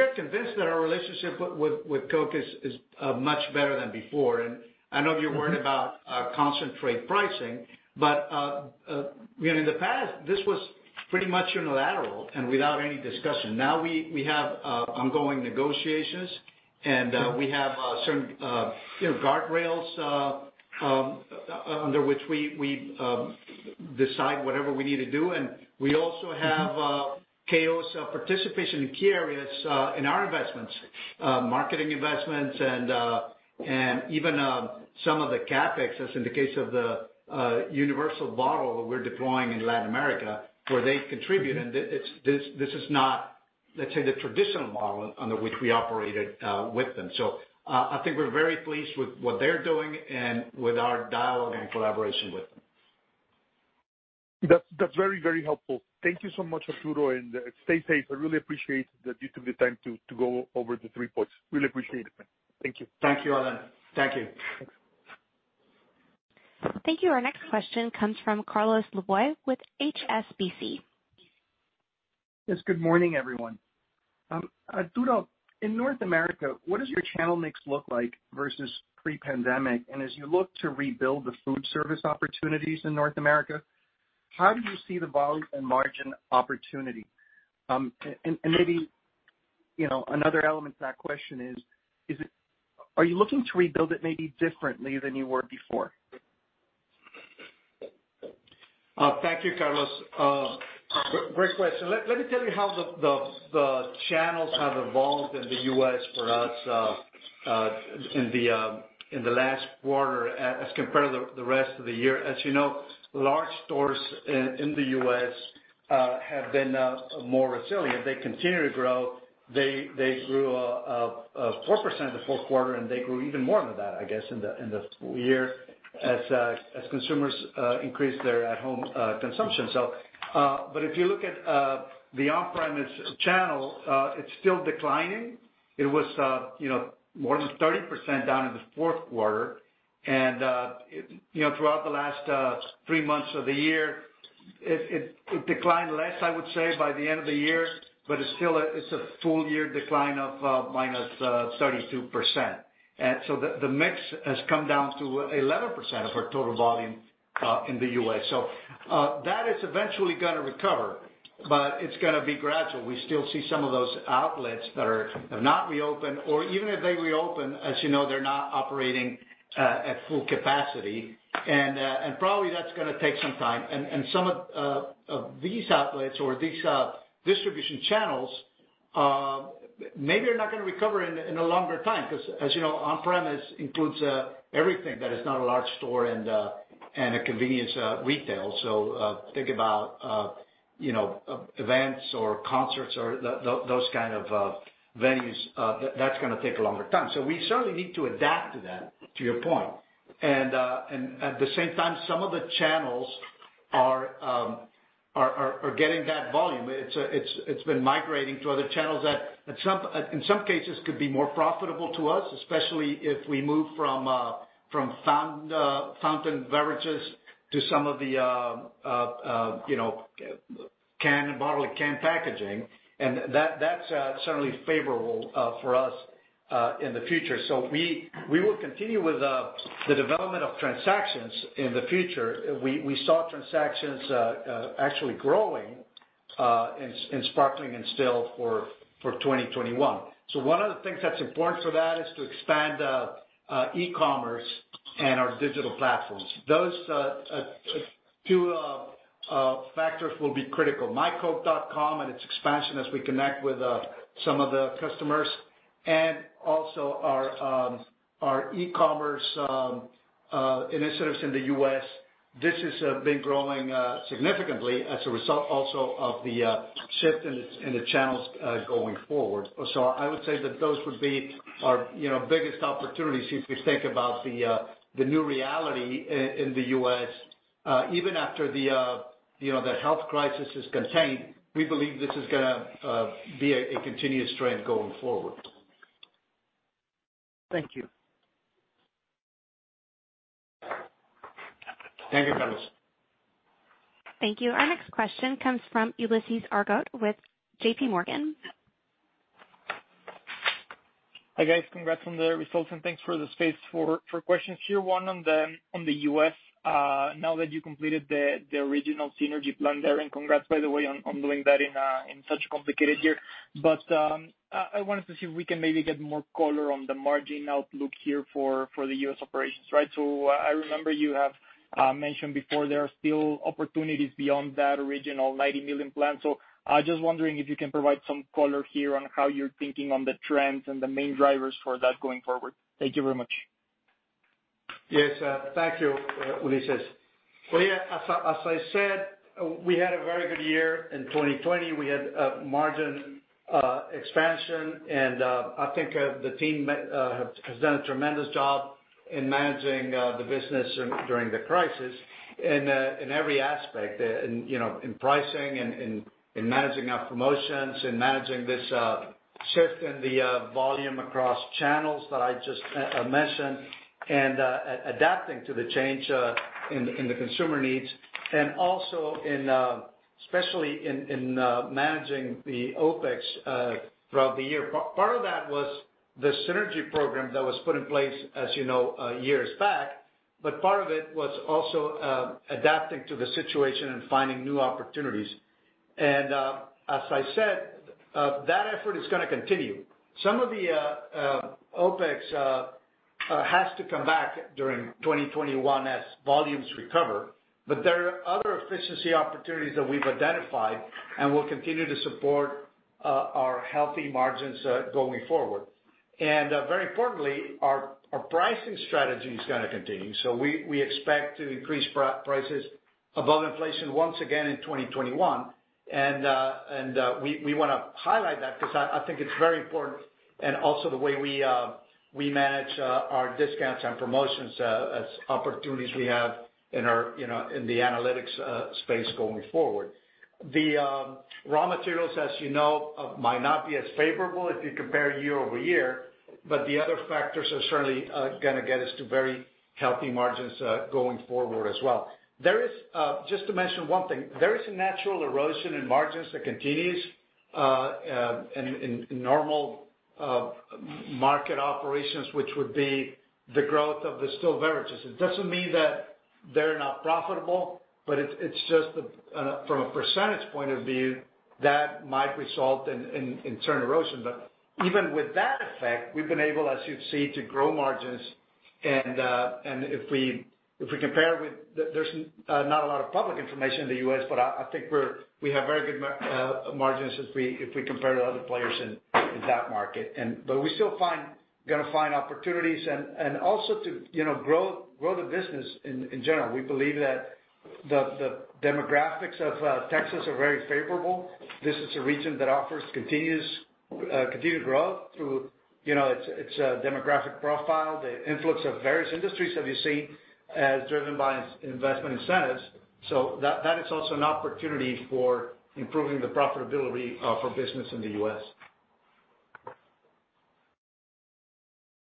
are convinced that our relationship with Coke is much better than before. I know you're worried about concentrate pricing, in the past, this was pretty much unilateral and without any discussion. Now we have ongoing negotiations and we have certain guardrails under which we decide whatever we need to do. We also have KO's participation in key areas in our investments. Marketing investments and even some of the CapEx, as in the case of the universal bottle that we're deploying in Latin America, where they contribute. This is not, let's say, the traditional model under which we operated with them. I think we're very pleased with what they're doing and with our dialogue and collaboration with them. That's very helpful. Thank you so much, Arturo, and stay safe. I really appreciate that you took the time to go over the three points. Really appreciate it. Thank you. Thank you, Alan. Thank you. Thanks. Thank you. Our next question comes from Carlos Laboy with HSBC. Yes, good morning, everyone. Arturo, in North America, what does your channel mix look like versus pre-pandemic? As you look to rebuild the food service opportunities in North America, how do you see the volume and margin opportunity? Maybe another element to that question is, are you looking to rebuild it maybe differently than you were before? Thank you, Carlos, great question. Let me tell you how the channels have evolved in the U.S. for us in the last quarter as compared to the rest of the year. As you know, large stores in the U.S. have been more resilient, they continue to grow. They grew 4% in the fourth quarter, and they grew even more than that, I guess, in the full year as consumers increased their at-home consumption. If you look at the on-premise channel, it's still declining. It was more than 30% down in the fourth quarter. Throughout the last three months of the year, it declined less, I would say, by the end of the year, but it's still a full-year decline of minus 32%. The mix has come down to 11% of our total volume in the U.S. That is eventually going to recover, but it's going to be gradual. We still see some of those outlets that have not reopened, or even if they reopen, as you know, they're not operating at full capacity. Probably that's going to take some time. Some of these outlets or these distribution channels maybe are not going to recover in a longer time because, as you know, on-premise includes everything that is not a large store and a convenience retail. Think about events or concerts or those kind of venues. That's going to take a longer time. We certainly need to adapt to that, to your point. At the same time, some of the channels are getting that volume. It's been migrating to other channels that in some cases could be more profitable to us, especially if we move from fountain beverages to some of the bottled canned packaging. That's certainly favorable for us in the future. We will continue with the development of transactions in the future. We saw transactions actually growing in sparkling and still for 2021. One of the things that's important for that is to expand e-commerce and our digital platforms. Those two factors will be critical. mycoke.com and its expansion as we connect with some of the customers and also our e-commerce initiatives in the U.S. This has been growing significantly as a result also of the shift in the channels going forward. I would say that those would be our biggest opportunities if you think about the new reality in the U.S. Even after the, you know, the health crisis is contained, we believe this is going to be a continuous trend going forward. Thank you. Thank you, Carlos. Thank you. Our next question comes from Ulises Argote with JPMorgan. Hi, guys. Congrats on the results, and thanks for the space for questions here. One on the U.S. Now that you completed the original synergy plan there, and congrats, by the way, on doing that in such a complicated year. I wanted to see if we can maybe get more color on the margin outlook here for the U.S. operations, right? I remember you have mentioned before there are still opportunities beyond that original 90 million plan. Just wondering if you can provide some color here on how you're thinking on the trends and the main drivers for that going forward. Thank you very much. Yes. Thank you, Ulises. Well, as I said, we had a very good year in 2020, we had a margin expansion and I think the team has done a tremendous job in managing the business during the crisis in every aspect. In, you know, in pricing, in managing our promotions, in managing this shift in the volume across channels that I just mentioned, adapting to the change in the consumer needs, and also especially in managing the OpEx throughout the year. Part of that was the synergy program that was put in place, as you know, years back. Part of it was also adapting to the situation and finding new opportunities. As I said, that effort is gonna continue. Some of the OpEx has to come back during 2021 as volumes recover, but there are other efficiency opportunities that we've identified and will continue to support our healthy margins going forward. Very importantly, our pricing strategy is gonna continue. We expect to increase prices above inflation once again in 2021, and we want to highlight that because I think it's very important. Also the way we manage our discounts and promotions as opportunities we have in our, you know, in the analytics space going forward. The raw materials, as you know, might not be as favorable if you compare year over year, but the other factors are certainly gonna get us to very healthy margins going forward as well. Just to mention one thing, there is a natural erosion in margins that continues in normal market operations, which would be the growth of the still beverages. It doesn't mean that they're not profitable, but it's just from a percentage point of view, that might result in certain erosion, but even with that effect, we've been able, as you've seen, to grow margins. If we compare with There's not a lot of public information in the U.S., but I think we have very good margins if we compare to other players in that market. We still gonna find opportunities and also to grow the business in general. We believe that the demographics of Texas are very favorable. This is a region that offers continued growth through, you know, its demographic profile, the influx of various industries that you see as driven by investment incentives. That is also an opportunity for improving the profitability for business in the U.S.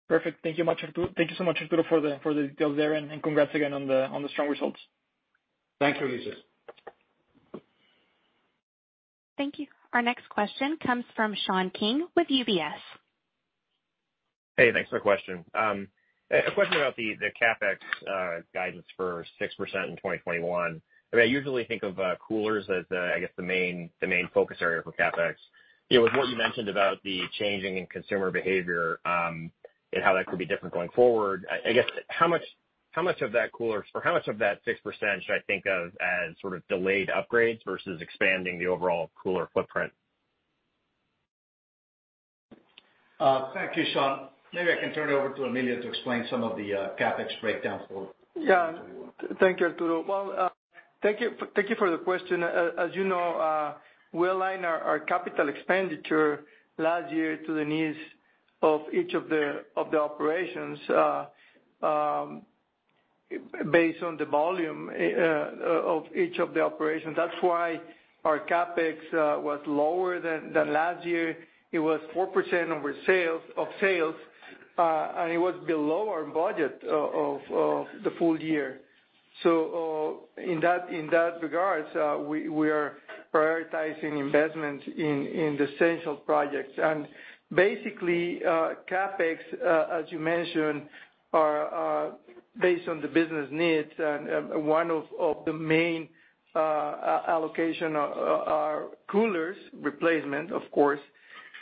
Perfect, thank you much, Arturo. Thank you so much, Arturo, for the details there, and congrats again on the strong results. Thanks, Ulises. Thank you. Our next question comes from Sean King with UBS. Hey, thanks for the question. A question about the CapEx guidance for 6% in 2021. I mean, I usually think of coolers as the, I guess the main focus area for CapEx. With what you mentioned about the changing in consumer behavior, and how that could be different going forward, I guess how much of that cooler, or how much of that 6% should I think of as sort of delayed upgrades versus expanding the overall cooler footprint? Thank you, Sean. Maybe I can turn it over to Emilio to explain some of the CapEx breakdown. Thank you, Arturo. Well, thank you for the question. As you know, we align our capital expenditure last year to the needs of each of the operations, based on the volume of each of the operations. That's why our CapEx was lower than last year. It was 4% of sales, and it was below our budget of the full year. In that regards, we are prioritizing investment in the essential projects. Basically, CapEx, as you mentioned, are based on the business needs and one of the main allocation are coolers replacement, of course.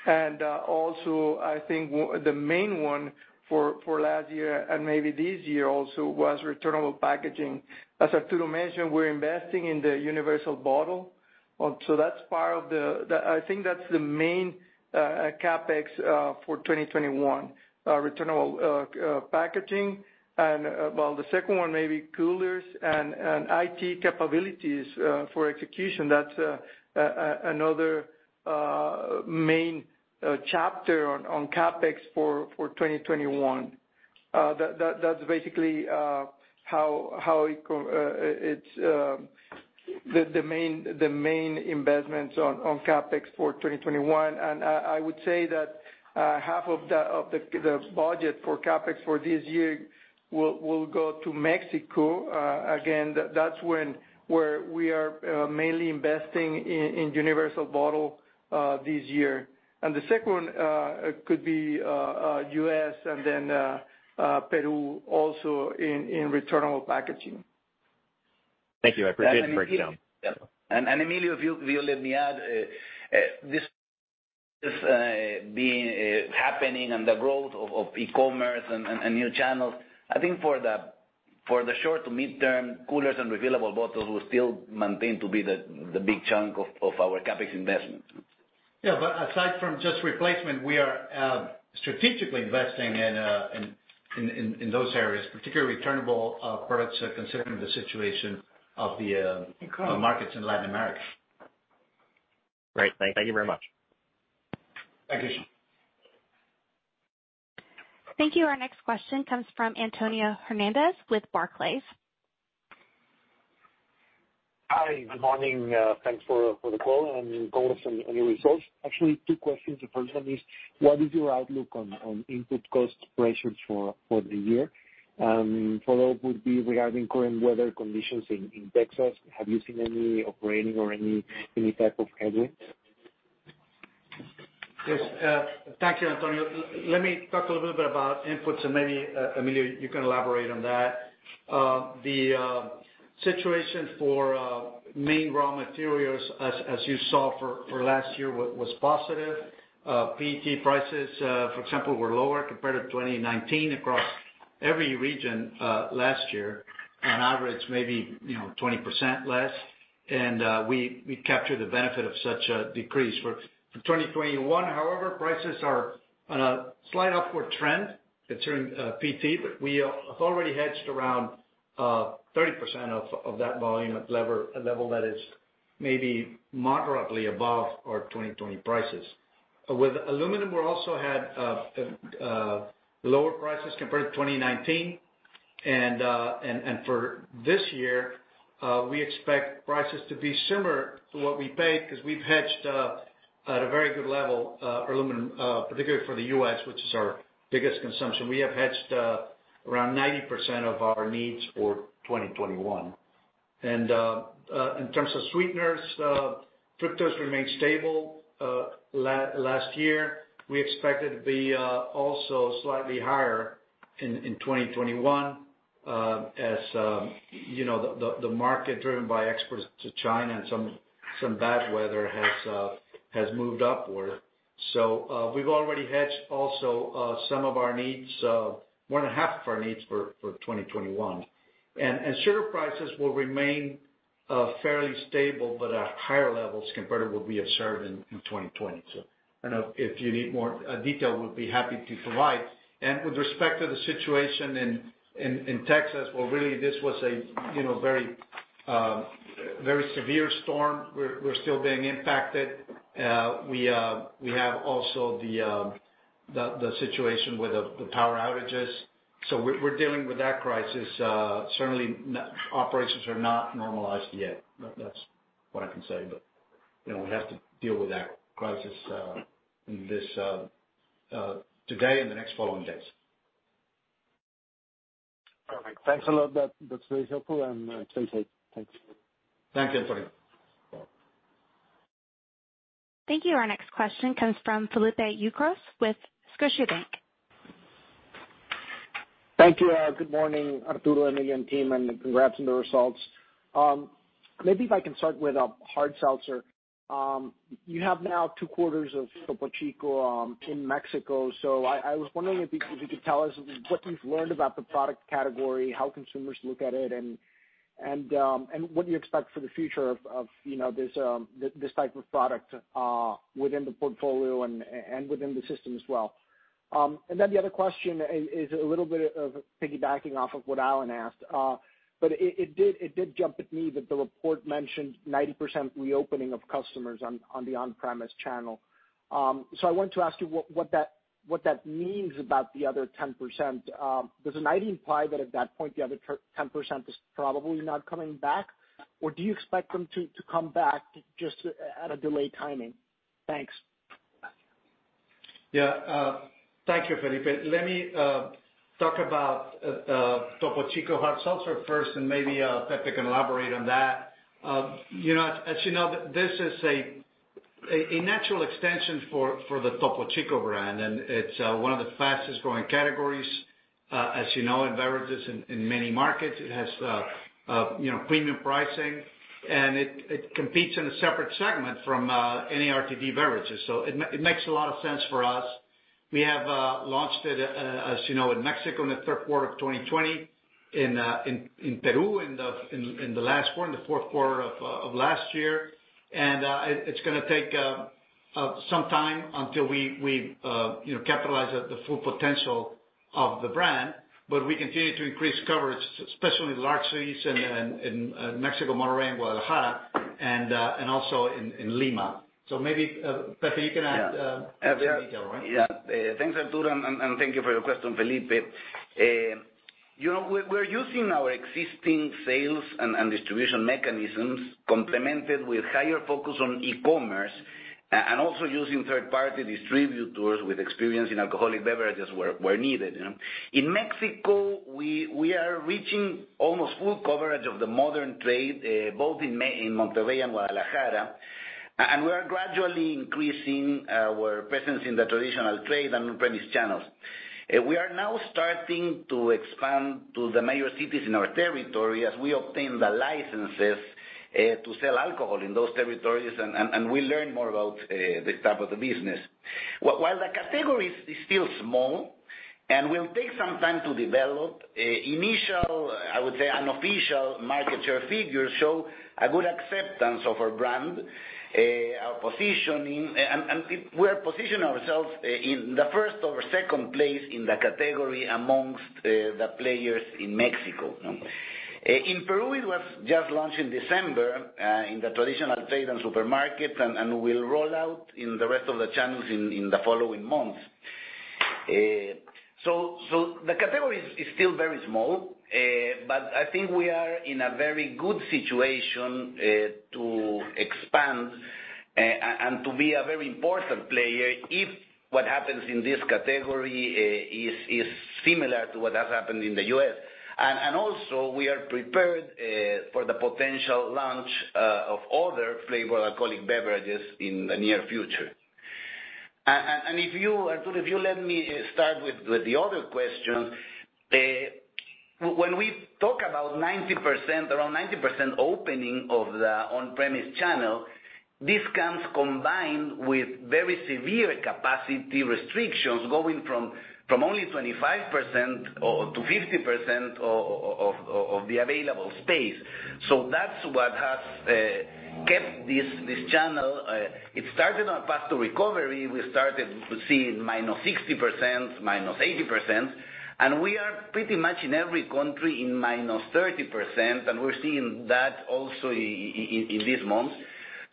Also I think the main one for last year and maybe this year also was returnable packaging. As Arturo mentioned, we're investing in the universal bottle I think that's the main CapEx for 2021. Returnable packaging, and well, the second one may be coolers and IT capabilities for execution. That's another main chapter on CapEx for 2021. That's basically the main investments on CapEx for 2021. I would say that half of the budget for CapEx for this year will go to Mexico. Again, that's where we are mainly investing in universal bottle this year. The second could be U.S. and then Peru, also in returnable packaging. Thank you. I appreciate you breaking it down. Emilio, if you let me add, this happening and the growth of e-commerce and new channels, I think for the short to mid-term, coolers and refillable bottles will still maintain to be the big chunk of our CapEx investment. Yeah, aside from just replacement, we are strategically investing in those areas, particularly returnable products, considering the situation of the markets in Latin America. Great, thank you very much. Thank you. Thank you. Our next question comes from Antonio Hernandez with Barclays. Hi, good morning, thanks for the call and congrats on your results. Actually, two questions. The first one is, what is your outlook on input cost pressures for the year? Follow-up would be regarding current weather conditions in Texas, have you seen any operating or any type of headwinds? Yes. Thank you, Antonio. Let me talk a little bit about inputs and maybe, Emilio, you can elaborate on that. The situation for main raw materials, as you saw for last year, was positive. PET prices for example, were lower compared to 2019 across every region last year. On average, maybe 20% less, and we captured the benefit of such a decrease. For 2021, however, prices are on a slight upward trend concerning PET, but we have already hedged around 30% of that volume at a level that is maybe moderately above our 2020 prices. With aluminum, we also had lower prices compared to 2019, and for this year, we expect prices to be similar to what we paid because we've hedged at a very good level for aluminum, particularly for the U.S., which is our biggest consumption. We have hedged around 90% of our needs for 2021. In terms of sweeteners, fructose remained stable last year. We expect it to be also slightly higher in 2021, as the market driven by exports to China and some bad weather has moved upward. We've already hedged also some of our needs, more than half of our needs for 2021. Sugar prices will remain fairly stable, but at higher levels compared to what we observed in 2020. If you need more detail, we'll be happy to provide. With respect to the situation in Texas, well, really, this was a very severe storm. We're still being impacted. We have also the situation with the power outages. We're dealing with that crisis. Certainly, operations are not normalized yet. That's what I can say. We have to deal with that crisis today and the next following days. Perfect, thanks a lot. That's very helpful and appreciate it. Thanks. Thank you, Antonio. Thank you. Our next question comes from Felipe Ucros with Scotiabank. Thank you, good morning, Arturo, Emilio, and team, and congrats on the results. Maybe if I can start with hard seltzer. You have now two quarters of Topo Chico in Mexico. I was wondering if you could tell us what you've learned about the product category, how consumers look at it, and what do you expect for the future of this type of product within the portfolio and within the system as well? The other question is a little bit of piggybacking off of what Alan asked. It did jump at me that the report mentioned 90% reopening of customers on the on-premise channel. I want to ask you what that means about the other 10%. Does the 90 imply that at that point, the other 10% is probably not coming back? Do you expect them to come back, just at a delayed timing? Thanks. Yeah. Thank you, Felipe. Let me talk about Topo Chico Hard Seltzer first, and maybe Pepe can elaborate on that. As you know, this is a natural extension for the Topo Chico brand, and it's one of the fastest-growing categories, as you know, in beverages in many markets. It has premium pricing, and it competes in a separate segment from any RTD beverages. It makes a lot of sense for us. We have launched it, as you know, in Mexico in the third quarter of 2020, in Peru in the fourth quarter of last year. It's going to take some time until we capitalize the full potential of the brand. We continue to increase coverage, especially in large cities in Mexico, Monterrey, and Guadalajara, and also in Lima. Maybe, Pepe, you can add detail, right? Yeah. Thanks, Arturo, and thank you for your question, Felipe. We're using our existing sales and distribution mechanisms complemented with higher focus on e-commerce, and also using third-party distributors with experience in alcoholic beverages where needed. In Mexico, we are reaching almost full coverage of the modern trade, both in Monterrey and Guadalajara, and we are gradually increasing our presence in the traditional trade and on-premise channels. We are now starting to expand to the major cities in our territory as we obtain the licenses to sell alcohol in those territories, and we learn more about this type of the business. While the category is still small and will take some time to develop, initial, I would say unofficial market share figures show a good acceptance of our brand, our positioning, and we have positioned ourselves in the first or second place in the category amongst the players in Mexico. In Peru, it was just launched in December in the traditional trade and supermarket, will roll out in the rest of the channels in the following months. The category is still very small, but I think we are in a very good situation to expand and to be a very important player if what happens in this category is similar to what has happened in the U.S. Also, we are prepared for the potential launch of other flavored alcoholic beverages in the near future. Arturo, if you let me start with the other question. When we talk about around 90% opening of the on-premise channel, this comes combined with very severe capacity restrictions going from only 25% or to 50% of the available space. That's what has kept this channel. It started on a path to recovery. We started to see -60%, -80%, and we are pretty much in every country in -30%, and we're seeing that also in these months.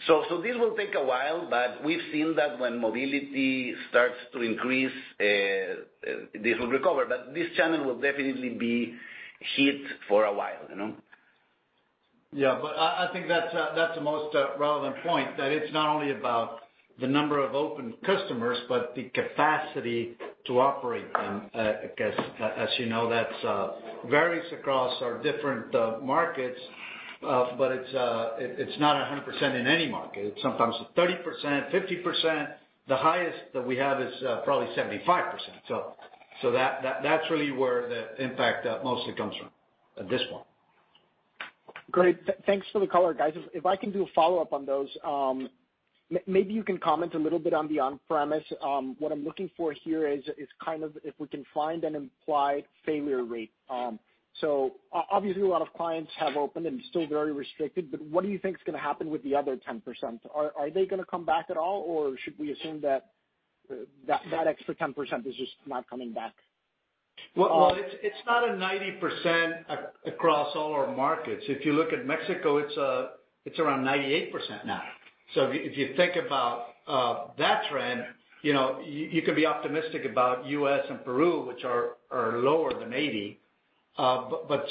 This will take a while, but we've seen that when mobility starts to increase, this will recover. This channel will definitely be hit for a while. Yeah. I think that's the most relevant point, that it's not only about the number of open customers, but the capacity to operate them. As you know, that varies across our different markets, but it's not 100% in any market. It's sometimes 30%, 50%. The highest that we have is probably 75%. That's really where the impact mostly comes from at this point. Great. Thanks for the color, guys. If I can do a follow-up on those, maybe you can comment a little bit on the on-premise. What I'm looking for here is kind of if we can find an implied failure rate. Obviously, a lot of clients have opened and still very restricted, but what do you think is going to happen with the other 10%? Are they going to come back at all, or should we assume that that extra 10% is just not coming back? Well, it's not a 90% across all our markets. If you look at Mexico, it's around 98% now. If you think about that trend, you could be optimistic about U.S. and Peru, which are lower than 80.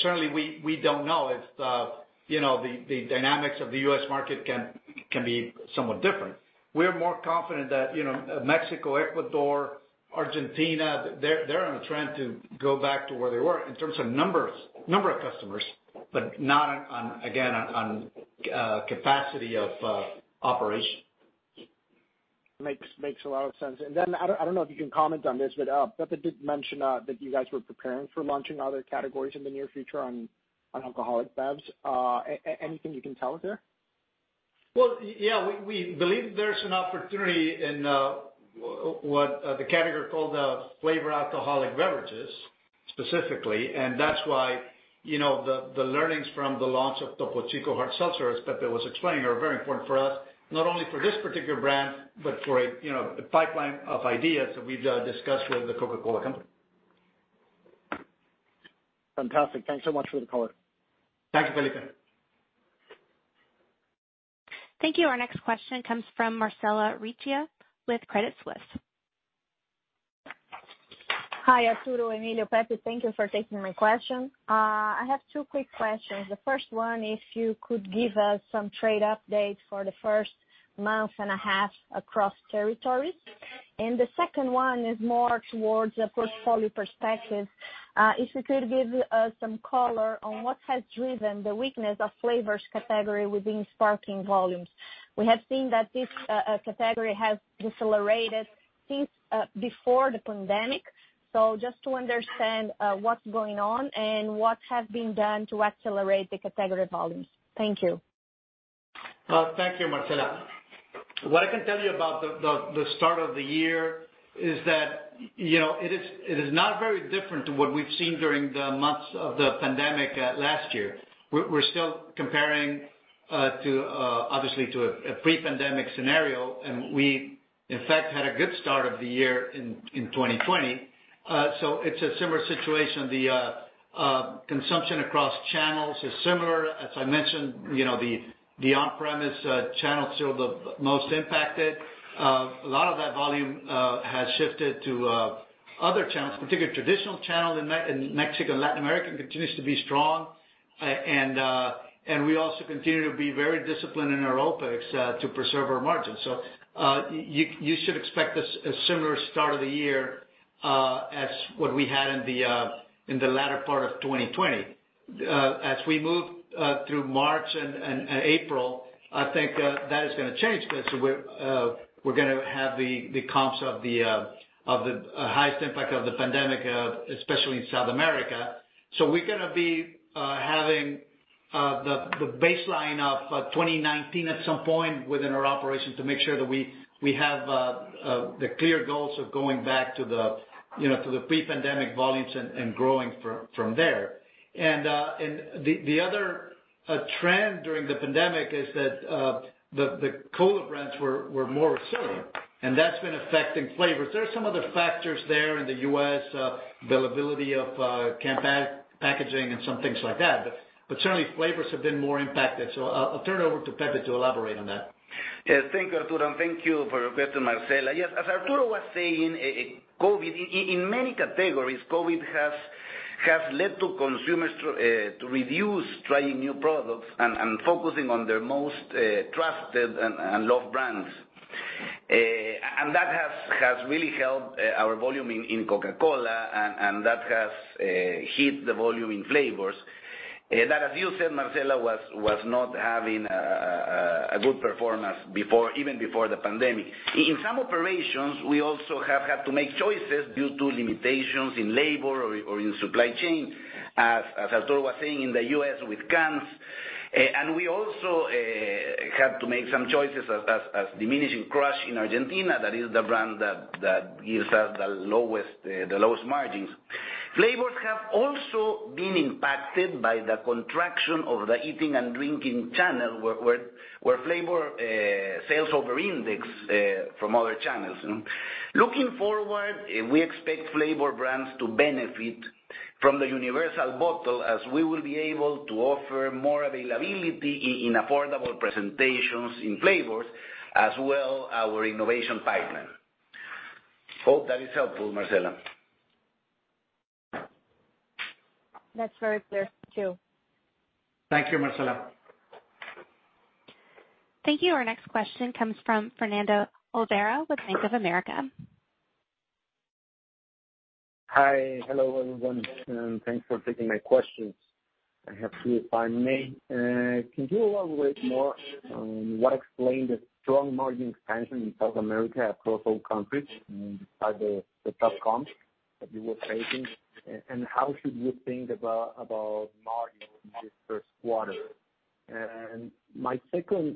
Certainly, we don't know. The dynamics of the U.S. market can be somewhat different. We're more confident that Mexico, Ecuador, Argentina, they're on a trend to go back to where they were in terms of number of customers, but not, again, on capacity of operation. Makes a lot of sense. I don't know if you can comment on this, but Pepe did mention that you guys were preparing for launching other categories in the near future on alcoholic bevs. Anything you can tell us there? Well, yeah. We believe there's an opportunity in what the category called flavored alcoholic beverages, specifically. That's why the learnings from the launch of Topo Chico Hard Seltzers, Pepe was explaining, are very important for us, not only for this particular brand, but for a pipeline of ideas that we've discussed with The Coca-Cola Company. Fantastic. Thanks so much for the color. Thank you, Felipe. Thank you. Our next question comes from Marcella Recchia with Credit Suisse. Hi, Arturo, Emilio, Pepe. Thank you for taking my question. I have two quick questions. The first one, if you could give us some trade updates for the first month and a half across territories. The second one is more towards a portfolio perspective. If you could give us some color on what has driven the weakness of flavors category within sparkling volumes. We have seen that this category has decelerated since before the pandemic. Just to understand what's going on and what has been done to accelerate the category volumes. Thank you. Thank you, Marcella. What I can tell you about the start of the year is that it is not very different to what we've seen during the months of the pandemic last year. We're still comparing, obviously, to a pre-pandemic scenario. We, in fact, had a good start of the year in 2020. It's a similar situation. The consumption across channels is similar. As I mentioned, the on-premise channel is still the most impacted. A lot of that volume has shifted to other channels, particularly the traditional channel in Mexico and Latin America, continues to be strong. We also continue to be very disciplined in our OpEx to preserve our margins. You should expect a similar start of the year as what we had in the latter part of 2020. As we move through March and April, I think that is going to change, because we're going to have the comps of the highest impact of the pandemic, especially in South America. We're going to be having the baseline of 2019 at some point within our operation to make sure that we have the clear goals of going back to the pre-pandemic volumes and growing from there. The other trend during the pandemic is that the Cola brands were more resilient, and that's been affecting flavors. There are some other factors there in the U.S., availability of packaging and some things like that. Certainly, flavors have been more impacted. I'll turn it over to Pepe to elaborate on that. Yes. Thank you, Arturo. Thank you for your question, Marcella. As Arturo was saying, in many categories, COVID has led to consumers to reduce trying new products and focusing on their most trusted and loved brands. That has really helped our volume in Coca-Cola, and that has hit the volume in flavors. That as you said, Marcella, was not having a good performance even before the pandemic. In some operations, we also have had to make choices due to limitations in labor or in supply chain, as Arturo was saying, in the U.S. with cans. We also had to make some choices as diminishing Crush in Argentina. That is the brand that gives us the lowest margins. Flavors have also been impacted by the contraction of the eating and drinking channel, where flavor sales over-index from other channels. Looking forward, we expect flavor brands to benefit from the universal bottle, as we will be able to offer more availability in affordable presentations in flavors, as well our innovation pipeline. Hope that is helpful, Marcella. That's very clear, too. Thank you, Marcella. Thank you. Our next question comes from Fernando Olvera with Bank of America. Hi. Hello, everyone. Thanks for taking my questions. I have two, if I may. Can you elaborate more on what explained the strong margin expansion in South America across all countries, despite the tough comps that you were facing, and how should we think about margin in this first quarter? My second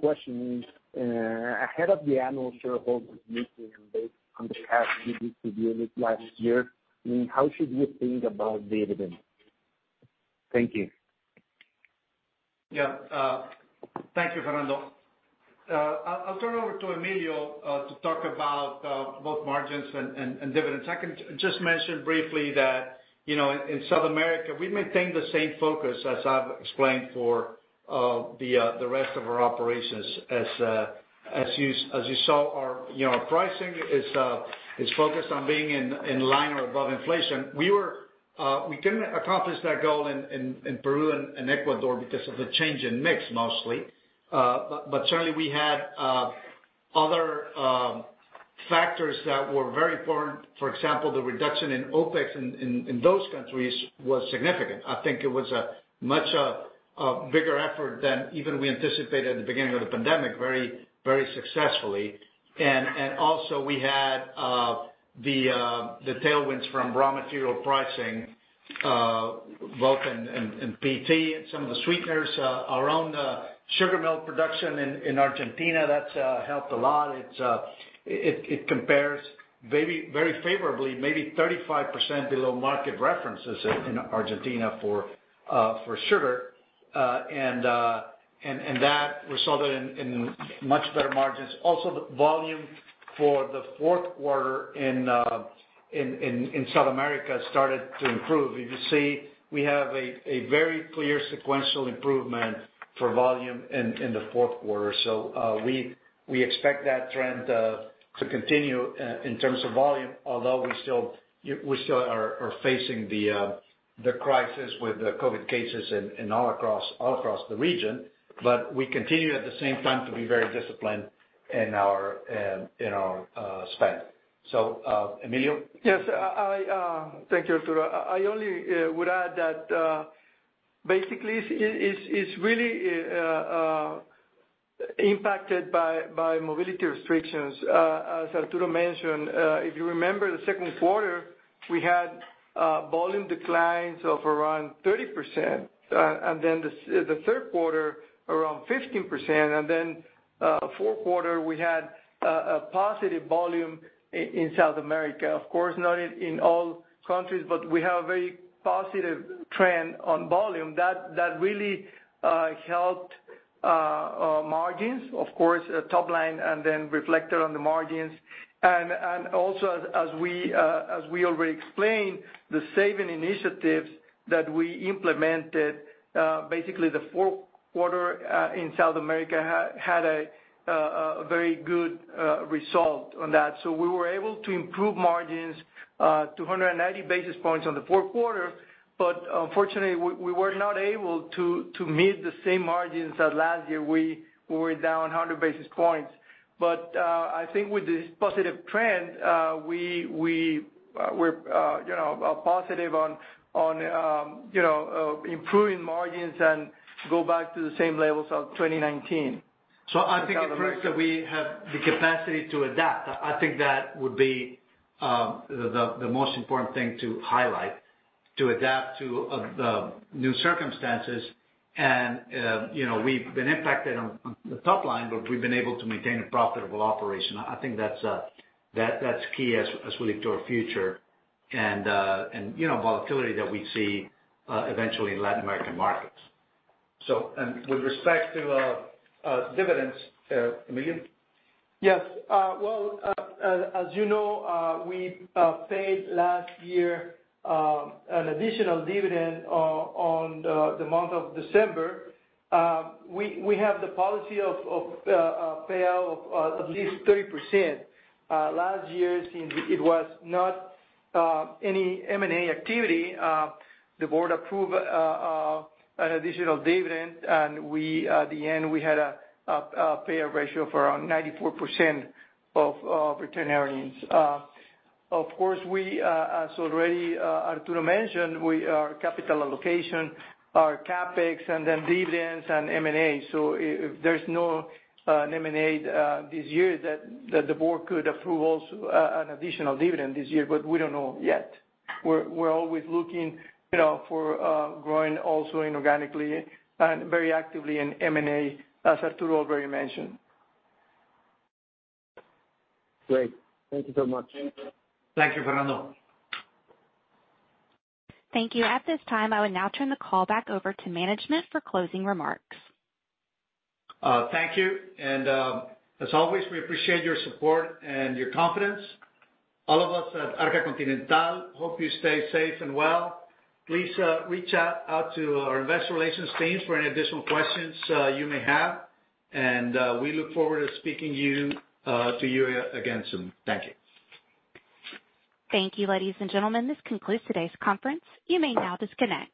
question is, ahead of the annual shareholders meeting and based on the past dividend last year, how should we think about dividend? Thank you. Thank you, Fernando. I'll turn over to Emilio to talk about both margins and dividends. I can just mention briefly that in South America, we maintain the same focus as I've explained for the rest of our operations. As you saw, our pricing is focused on being in line or above inflation. We couldn't accomplish that goal in Peru and Ecuador because of the change in mix, mostly. Certainly, we had other factors that were very important. For example, the reduction in OpEx in those countries was significant. I think it was a much bigger effort than even we anticipated at the beginning of the pandemic, very successfully. Also, we had the tailwinds from raw material pricing, bulk and PET and some of the sweeteners. Our own sugar mill production in Argentina, that's helped a lot. It compares very favorably, maybe 35% below market references in Argentina for sugar, and that resulted in much better margins. Also, the volume for the fourth quarter in South America started to improve. If you see, we have a very clear sequential improvement for volume in the fourth quarter. We expect that trend to continue in terms of volume. Although we still are facing the crisis with the COVID cases all across the region. We continue, at the same time, to be very disciplined in our spend. Emilio? Yes. Thank you, Arturo. I only would add that basically it's really Impacted by mobility restrictions. As Arturo mentioned, if you remember the second quarter, we had volume declines of around 30%, and then the third quarter around 15%, and then fourth quarter we had a positive volume in South America. Of course, not in all countries, but we have a very positive trend on volume that really helped margins, of course, top line and then reflected on the margins. Also as we already explained, the saving initiatives that we implemented, basically the fourth quarter in South America had a very good result on that. We were able to improve margins, 290 basis points on the fourth quarter. Unfortunately, we were not able to meet the same margins as last year. We were down 100 basis points. I think with this positive trend, we are positive on improving margins and go back to the same levels of 2019. I think it proves that we have the capacity to adapt. I think that would be the most important thing to highlight, to adapt to the new circumstances. We've been impacted on the top line, but we've been able to maintain a profitable operation. I think that's key as we look to our future and volatility that we see, eventually in Latin American markets. With respect to dividends, Emilio? Yes. Well, as you know, we paid last year, an additional dividend on the month of December. We have the policy of payout of at least 30%. Last year, since it was not any M&A activity, the board approved an additional dividend, and at the end, we had a payout ratio of around 94% of retained earnings. Of course, as already Arturo mentioned, our capital allocation, our CapEx, and then dividends, and M&A. If there's no M&A this year, that the board could approve also an additional dividend this year, but we don't know yet. We're always looking for growing also inorganically and very actively in M&A, as Arturo already mentioned. Great, thank you so much. Thank you. Thank you, Fernando. Thank you. At this time, I would now turn the call back over to management for closing remarks. Thank you. As always, we appreciate your support and your confidence. All of us at Arca Continental hope you stay safe and well. Please reach out to our investor relations teams for any additional questions you may have, and, we look forward to speaking to you again soon. Thank you. Thank you, ladies and gentlemen. This concludes today's conference, you may now disconnect.